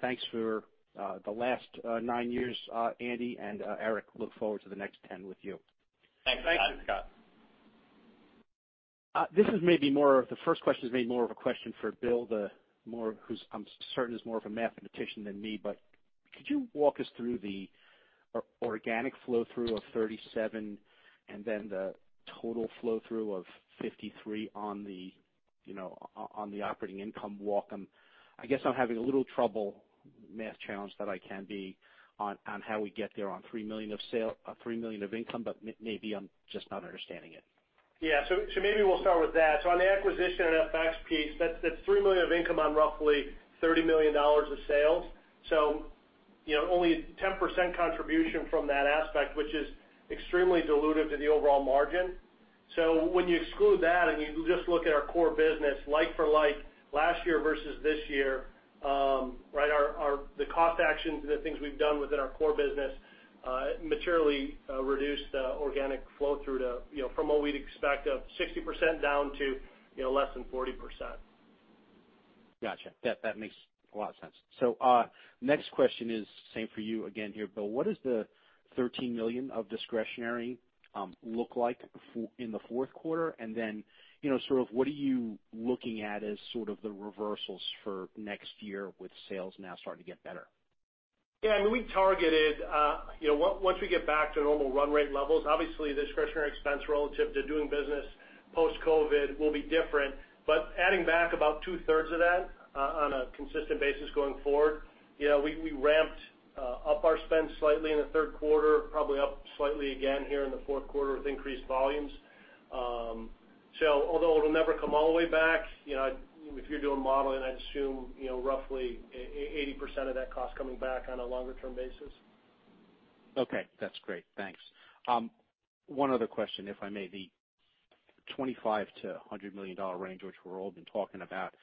Thanks for the last nine years, Andy, Eric, look forward to the next 10 with you. Thanks, Scott. Thanks. This is maybe more of the first question, is maybe more of a question for Bill, who I'm certain is more of a mathematician than me. Could you walk us through the organic flow-through of 37, and then the total flow-through of 53 on the operating income walk? I guess I'm having a little trouble, math challenge that I can be, on how we get there on $3 million of income, but maybe I'm just not understanding it. Yeah. Maybe we'll start with that. On the acquisition and FX piece, that's $3 million of income on roughly $30 million of sales. Only 10% contribution from that aspect, which is extremely dilutive to the overall margin. When you exclude that and you just look at our core business, like for like, last year versus this year, the cost actions and the things we've done within our core business materially reduced the organic flow-through from what we'd expect of 60% down to less than 40%. Got you. That makes a lot of sense. Next question is same for you again here, Bill. What does the $13 million of discretionary look like in the fourth quarter? What are you looking at as sort of the reversals for next year with sales now starting to get better? Yeah. Once we get back to normal run rate levels, obviously the discretionary expense relative to doing business post-COVID will be different, adding back about two-thirds of that on a consistent basis going forward. We ramped up our spend slightly in the third quarter, probably up slightly again here in the fourth quarter with increased volumes. Although it'll never come all the way back, if you're doing modeling, I'd assume roughly 80% of that cost coming back on a longer term basis. Okay. That's great. Thanks. One other question, if I may. The $25 million-$100 million range, which we've all been talking about,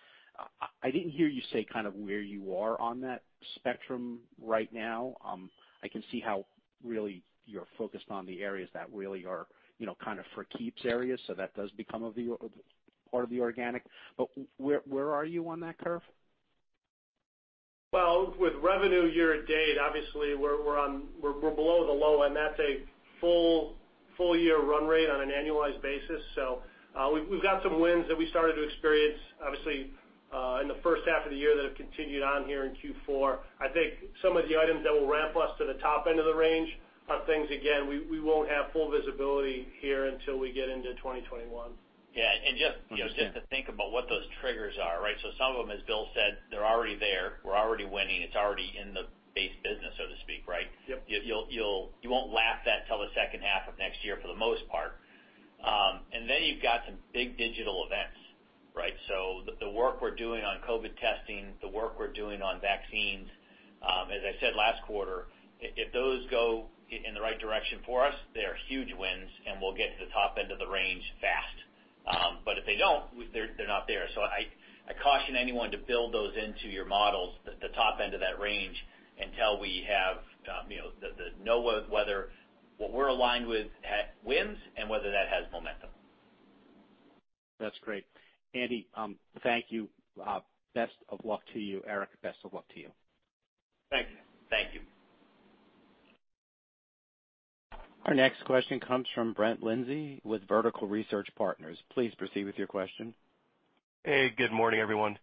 I didn't hear you say where you are on that spectrum right now. I can see how really you're focused on the areas that really are kind of for keeps areas, that does become part of the organic. Where are you on that curve? Well, with revenue year to date, obviously we're below the low, and that's a full year run rate on an annualized basis. We've got some wins that we started to experience, obviously, in the first half of the year that have continued on here in Q4. I think some of the items that will ramp us to the top end of the range are things, again, we won't have full visibility here until we get into 2021. Yeah. Understand. Just to think about what those triggers are, right? Some of them, as Bill said, they're already there. We're already winning. It's already in the base business, so to speak, right? Yep. You won't lap that till the second half of next year for the most part. Then you've got some big digital events, right? The work we're doing on COVID testing, the work we're doing on vaccines, as I said last quarter, if those go in the right direction for us, they are huge wins, and we'll get to the top end of the range fast. If they don't, they're not there. I caution anyone to build those into your models, the top end of that range, until we know whether what we're aligned with wins and whether that has momentum. That's great. Andy, thank you. Best of luck to you, Eric. Best of luck to you. Thank you. Thank you. Our next question comes from Brett Linzey with Vertical Research Partners. Please proceed with your question. Hey, good morning, everyone.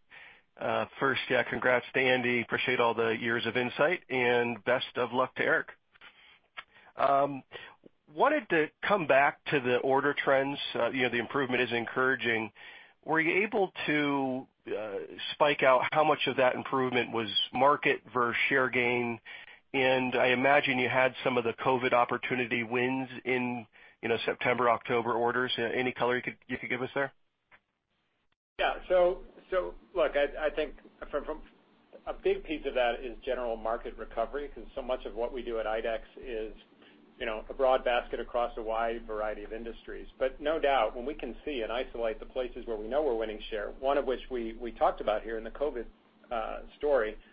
First, yeah, congrats to Andy. Appreciate all the years of insight, and best of luck to Eric. Wanted to come back to the order trends. The improvement is encouraging. Were you able to spike out how much of that improvement was market versus share gain? I imagine you had some of the COVID opportunity wins in September, October orders. Any color you could give us there? Yeah. Look, I think a big piece of that is general market recovery, because so much of what we do at IDEX is a broad basket across a wide variety of industries. No doubt, when we can see and isolate the places where we know we're winning share, one of which we talked about here in the COVID story chapter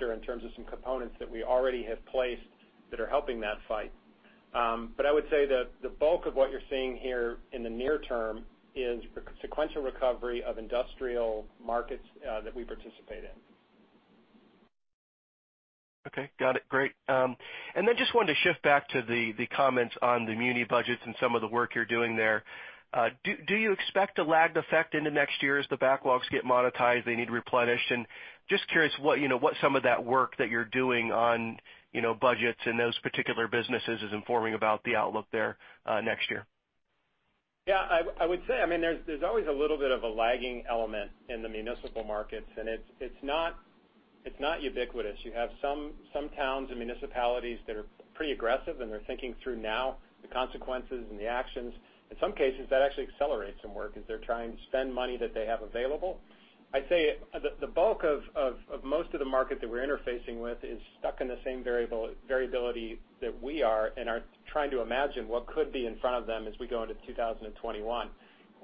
in terms of some components that we already have placed that are helping that fight. I would say that the bulk of what you're seeing here in the near term is sequential recovery of industrial markets that we participate in. Okay. Got it. Great. Just wanted to shift back to the comments on the muni budgets and some of the work you're doing there. Do you expect a lagged effect into next year as the backlogs get monetized, they need replenished? Just curious what some of that work that you're doing on budgets in those particular businesses is informing about the outlook there next year. I would say, there's always a little bit of a lagging element in the municipal markets, and it's not ubiquitous. You have some towns and municipalities that are pretty aggressive, and they're thinking through now the consequences and the actions. In some cases, that actually accelerates some work as they're trying to spend money that they have available. I'd say the bulk of most of the market that we're interfacing with is stuck in the same variability that we are and are trying to imagine what could be in front of them as we go into 2021.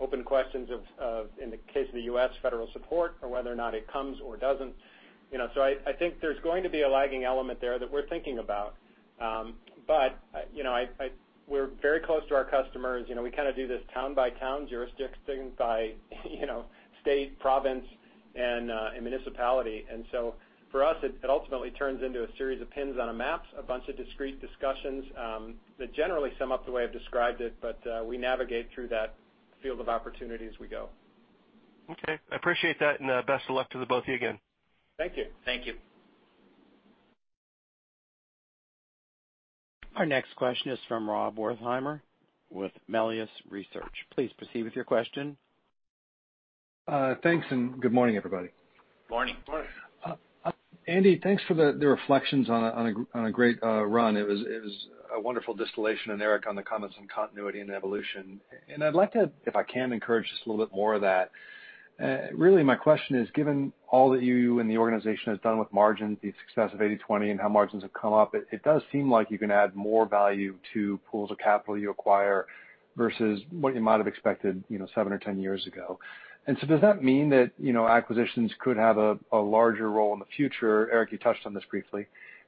Open questions of, in the case of the U.S., federal support or whether or not it comes or doesn't. I think there's going to be a lagging element there that we're thinking about. We're very close to our customers. We kind of do this town by town, jurisdiction by state, province, and municipality. For us, it ultimately turns into a series of pins on a map, a bunch of discrete discussions that generally sum up the way I've described it, but we navigate through that field of opportunity as we go. Okay. I appreciate that, and best of luck to the both of you again. Thank you. Thank you. Our next question is from Rob Wertheimer with Melius Research. Please proceed with your question. Thanks, and good morning, everybody. Morning. Morning. Andy, thanks for the reflections on a great run. It was a wonderful distillation. Eric, on the comments on continuity and evolution. I'd like to, if I can, encourage just a little bit more of that. Really my question is, given all that you and the organization has done with margins, the success of 80/20, and how margins have come up, it does seem like you can add more value to pools of capital you acquire versus what you might have expected seven or 10 years ago. Does that mean that acquisitions could have a larger role in the future? Eric, you touched on this briefly.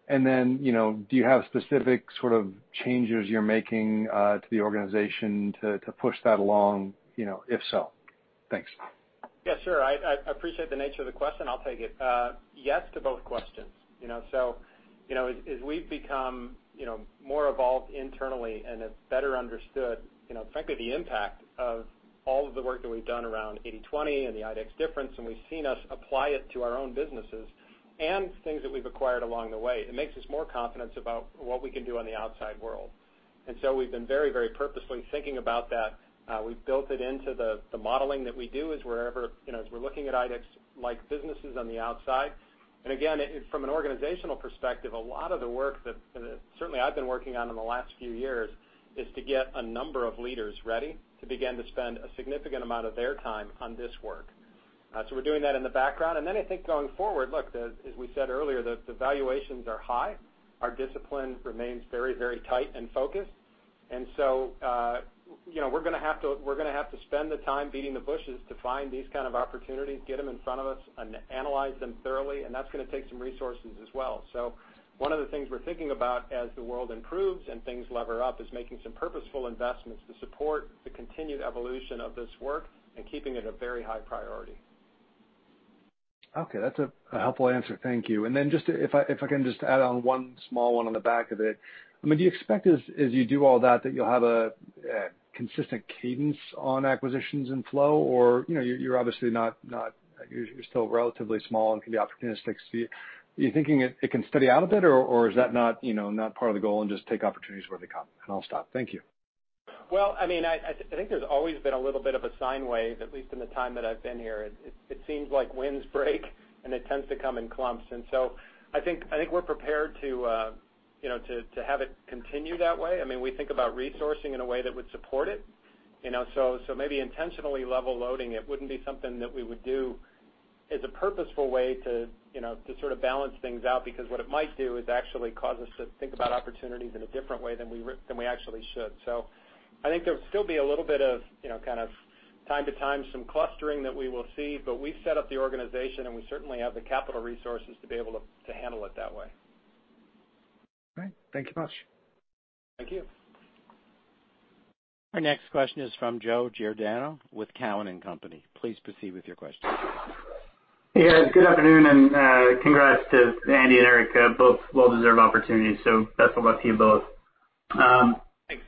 Do you have specific sort of changes you're making to the organization to push that along? If so. Thanks. Yes, sir. I appreciate the nature of the question. I'll take it. Yes to both questions. As we've become more evolved internally and have better understood, frankly, the impact of all of the work that we've done around 80/20 and the IDEX Difference, and we've seen us apply it to our own businesses and things that we've acquired along the way, it makes us more confident about what we can do on the outside world. We've been very purposely thinking about that. We've built it into the modeling that we do as we're looking at IDEX-like businesses on the outside. From an organizational perspective, a lot of the work that certainly I've been working on in the last few years is to get a number of leaders ready to begin to spend a significant amount of their time on this work. We're doing that in the background. I think going forward, look, as we said earlier, the valuations are high. Our discipline remains very tight and focused. We're going to have to spend the time beating the bushes to find these kind of opportunities, get them in front of us, and analyze them thoroughly, and that's going to take some resources as well. One of the things we're thinking about as the world improves and things lever up is making some purposeful investments to support the continued evolution of this work and keeping it a very high priority. Okay. That's a helpful answer. Thank you. Then if I can just add on one small one on the back of it. Do you expect as you do all that that you'll have a consistent cadence on acquisitions and flow? Or you're obviously still relatively small and can be opportunistic. Are you thinking it can steady out a bit, or is that not part of the goal and just take opportunities where they come? I'll stop. Thank you. Well, I think there's always been a little bit of a sine wave, at least in the time that I've been here. It seems like winds break, and it tends to come in clumps. I think we're prepared to have it continue that way. We think about resourcing in a way that would support it. Maybe intentionally level loading it wouldn't be something that we would do as a purposeful way to sort of balance things out because what it might do is actually cause us to think about opportunities in a different way than we actually should. I think there'll still be a little bit of kind of time to time some clustering that we will see, but we've set up the organization, and we certainly have the capital resources to be able to handle it that way. Okay. Thank you much. Thank you. Our next question is from Joe Giordano with Cowen and Company. Please proceed with your question. Hey, guys. Good afternoon, and congrats to Andy and Eric. Both well-deserved opportunities. Best of luck to you both. Thanks.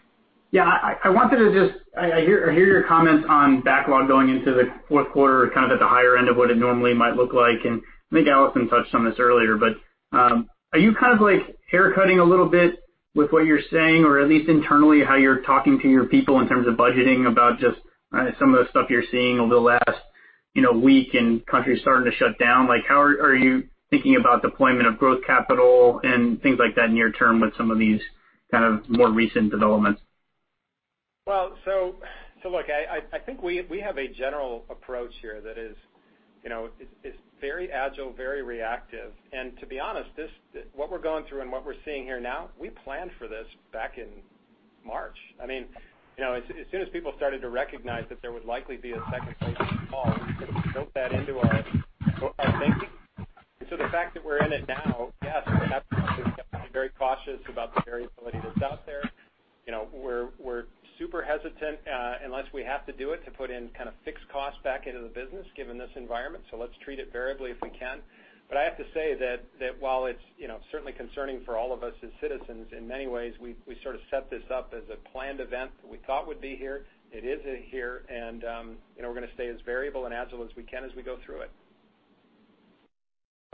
Yeah. I hear your comments on backlog going into the fourth quarter, kind of at the higher end of what it normally might look like, and I think Allison touched on this earlier. Are you kind of hair cutting a little bit with what you're saying, or at least internally, how you're talking to your people in terms of budgeting about just some of the stuff you're seeing over the last week and countries starting to shut down? How are you thinking about deployment of growth capital and things like that near term with some of these kind of more recent developments? Look, I think we have a general approach here that is very agile, very reactive. To be honest, what we're going through and what we're seeing here now, we planned for this back in March. As soon as people started to recognize that there would likely be a second COVID-19 fall, we built that into our thinking. The fact that we're in it now, yes, we have to be very cautious about the variability that's out there. We're super hesitant, unless we have to do it, to put in kind of fixed costs back into the business, given this environment. Let's treat it variably if we can. I have to say that while it's certainly concerning for all of us as citizens, in many ways, we sort of set this up as a planned event that we thought would be here. It is here, and we're going to stay as variable and agile as we can as we go through it.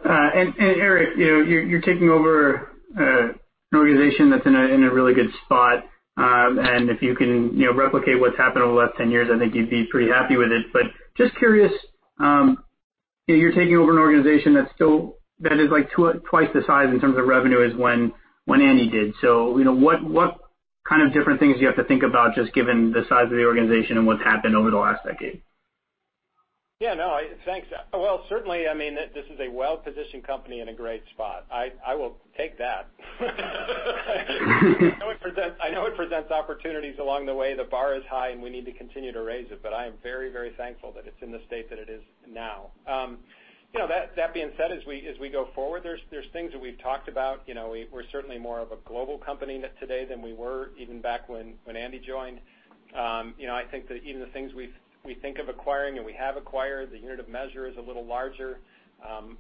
Eric, you're taking over an organization that's in a really good spot. If you can replicate what's happened over the last 10 years, I think you'd be pretty happy with it. Just curious, you're taking over an organization that is twice the size in terms of revenue as when Andy did. What kind of different things do you have to think about, just given the size of the organization and what's happened over the last decade? Yeah, no. Thanks. Well, certainly, this is a well-positioned company in a great spot. I will take that. I know it presents opportunities along the way. The bar is high, and we need to continue to raise it. I am very, very thankful that it's in the state that it is now. That being said, as we go forward, there's things that we've talked about. We're certainly more of a global company today than we were even back when Andy joined. I think that even the things we think of acquiring and we have acquired, the unit of measure is a little larger.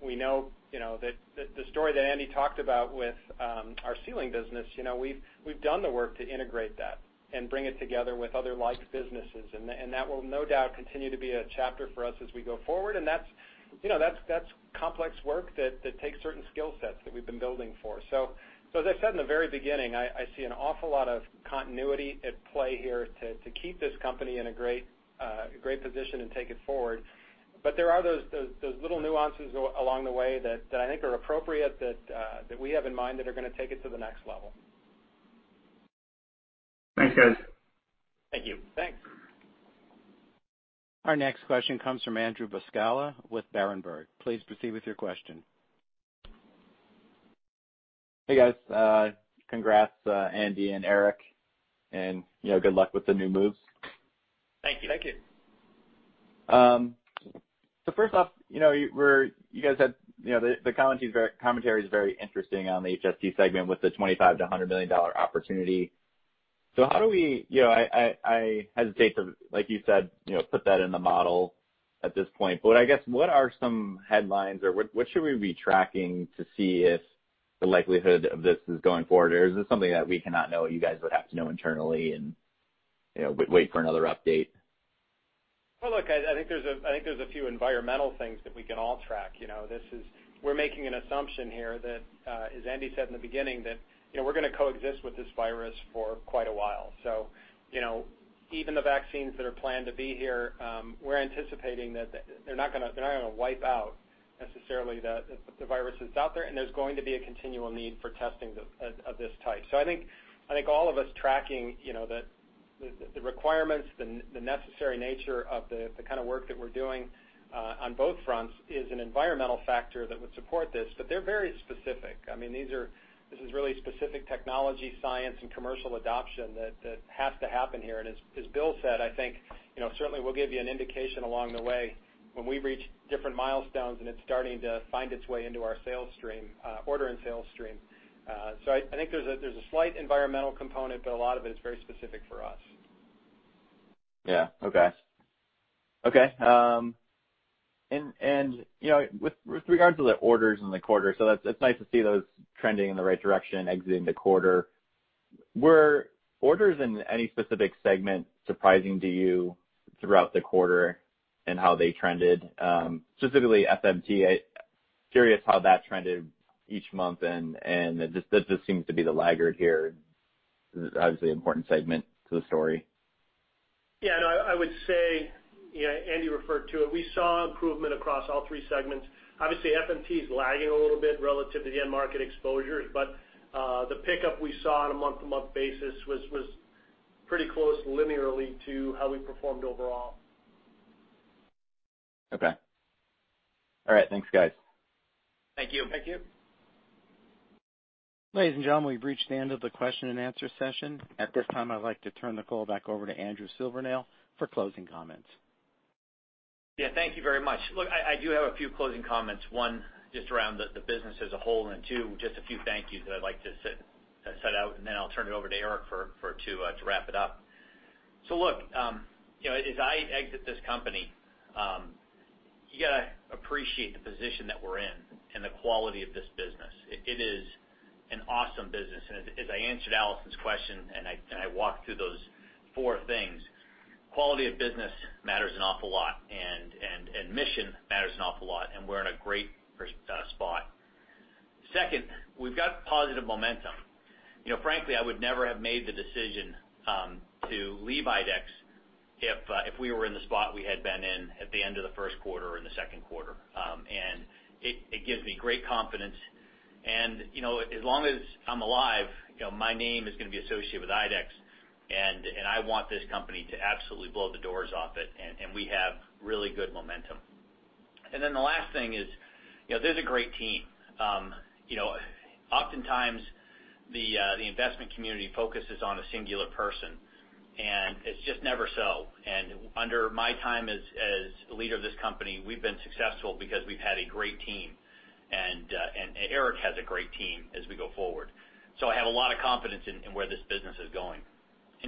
We know that the story that Andy talked about with our sealing business, we've done the work to integrate that and bring it together with other like businesses, and that will no doubt continue to be a chapter for us as we go forward. That's complex work that takes certain skill sets that we've been building for. As I said in the very beginning, I see an awful lot of continuity at play here to keep this company in a great position and take it forward. There are those little nuances along the way that I think are appropriate, that we have in mind, that are going to take it to the next level. Thanks, guys. Thank you. Thanks. Our next question comes from Andrew Buscaglia with Berenberg. Please proceed with your question. Hey, guys. Congrats, Andy and Eric, and good luck with the new moves. Thank you. First off, you guys had the commentary is very interesting on the HST segment with the $25 million-$100 million opportunity. I hesitate to, like you said, put that in the model at this point. I guess, what are some headlines, or what should we be tracking to see if the likelihood of this is going forward? Is this something that we cannot know, you guys would have to know internally and wait for another update? Well, look, I think there's a few environmental things that we can all track. We're making an assumption here that, as Andy said in the beginning, that we're going to coexist with this virus for quite a while. Even the vaccines that are planned to be here, we're anticipating that they're not going to wipe out necessarily the viruses out there, and there's going to be a continual need for testing of this type. I think all of us tracking the requirements, the necessary nature of the kind of work that we're doing on both fronts is an environmental factor that would support this. They're very specific. This is really specific technology, science, and commercial adoption that has to happen here. As Bill said, I think certainly we'll give you an indication along the way when we reach different milestones, and it's starting to find its way into our order and sales stream. I think there's a slight environmental component, but a lot of it is very specific for us. Yeah. Okay. With regards to the orders in the quarter, it's nice to see those trending in the right direction exiting the quarter. Were orders in any specific segment surprising to you throughout the quarter and how they trended? Specifically FMT, curious how that trended each month, that just seems to be the laggard here. Obviously, an important segment to the story. No, I would say, Andy referred to it, we saw improvement across all three segments. Obviously, FMT is lagging a little bit relative to the end market exposures. The pickup we saw on a month-to-month basis was pretty close linearly to how we performed overall. Okay. All right. Thanks, guys. Thank you. Ladies and gentlemen, we've reached the end of the question and answer session. At this time, I'd like to turn the call back over to Andrew Silvernail for closing comments. Yeah. Thank you very much. I do have a few closing comments. One, just around the business as a whole, and two, just a few thank yous that I'd like to set out, and then I'll turn it over to Eric to wrap it up. As I exit this company, you got to appreciate the position that we're in and the quality of this business. It is an awesome business. As I answered Allison Poliniak's question and I walked through those four things, quality of business matters an awful lot. Mission matters an awful lot. We're in a great spot. Second, we've got positive momentum. Frankly, I would never have made the decision to leave IDEX. If we were in the spot we had been in at the end of the first quarter or in the second quarter. It gives me great confidence. As long as I'm alive, my name is going to be associated with IDEX, and I want this company to absolutely blow the doors off it, and we have really good momentum. The last thing is, there's a great team. Oftentimes, the investment community focuses on a singular person, and it's just never so. Under my time as the leader of this company, we've been successful because we've had a great team, and Eric has a great team as we go forward. I have a lot of confidence in where this business is going.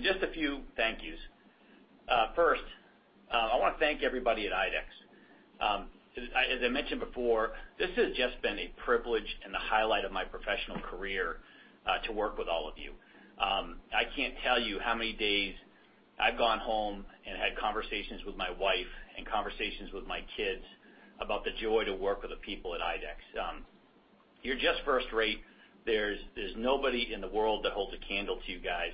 Just a few thank yous. First, I want to thank everybody at IDEX. As I mentioned before, this has just been a privilege and the highlight of my professional career to work with all of you. I can't tell you how many days I've gone home and had conversations with my wife and conversations with my kids about the joy to work with the people at IDEX. You're just first rate. There's nobody in the world that holds a candle to you guys.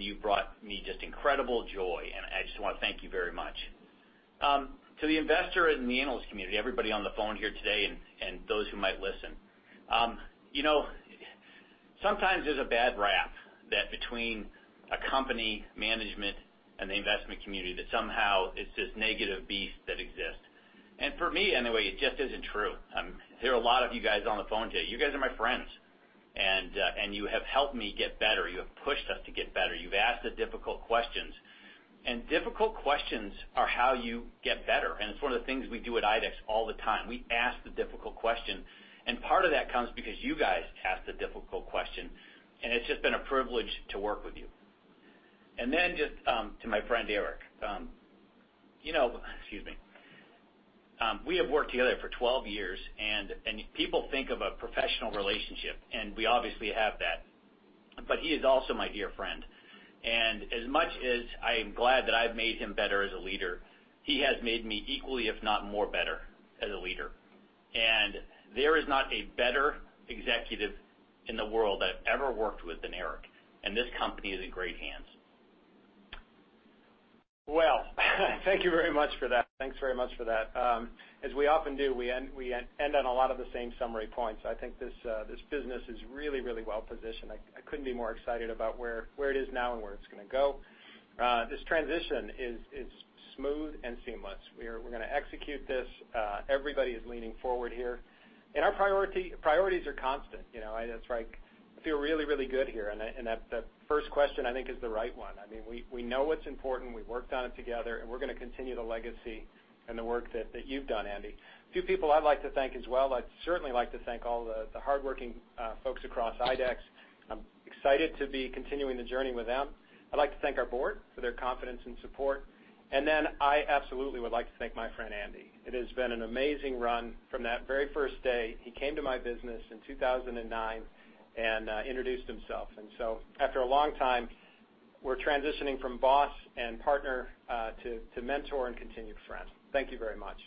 You've brought me just incredible joy, and I just want to thank you very much. To the investor and the analyst community, everybody on the phone here today and those who might listen. Sometimes there's a bad rap that between a company management and the investment community, that somehow it's this negative beast that exists. For me, anyway, it just isn't true. There are a lot of you guys on the phone today. You guys are my friends. You have helped me get better. You have pushed us to get better. You've asked the difficult questions, difficult questions are how you get better. It's one of the things we do at IDEX all the time. We ask the difficult questions. Part of that comes because you guys ask the difficult questions, it's just been a privilege to work with you. Then just to my friend Eric. Excuse me. We have worked together for 12 years, people think of a professional relationship, we obviously have that. He is also my dear friend. As much as I am glad that I've made him better as a leader, he has made me equally, if not more better, as a leader. There is not a better executive in the world that I've ever worked with than Eric, and this company is in great hands. Well, thank you very much for that. Thanks very much for that. As we often do, we end on a lot of the same summary points. I think this business is really well-positioned. I couldn't be more excited about where it is now and where it's going to go. This transition is smooth and seamless. We're going to execute this. Everybody is leaning forward here. Our priorities are constant. I feel really good here. That first question I think is the right one. We know what's important, we've worked on it together, and we're going to continue the legacy and the work that you've done, Andy. A few people I'd like to thank as well. I'd certainly like to thank all the hardworking folks across IDEX. I'm excited to be continuing the journey with them. I'd like to thank our board for their confidence and support. I absolutely would like to thank my friend Andy. It has been an amazing run from that very first day he came to my business in 2009 and introduced himself. After a long time, we're transitioning from boss and partner to mentor and continued friend. Thank you very much.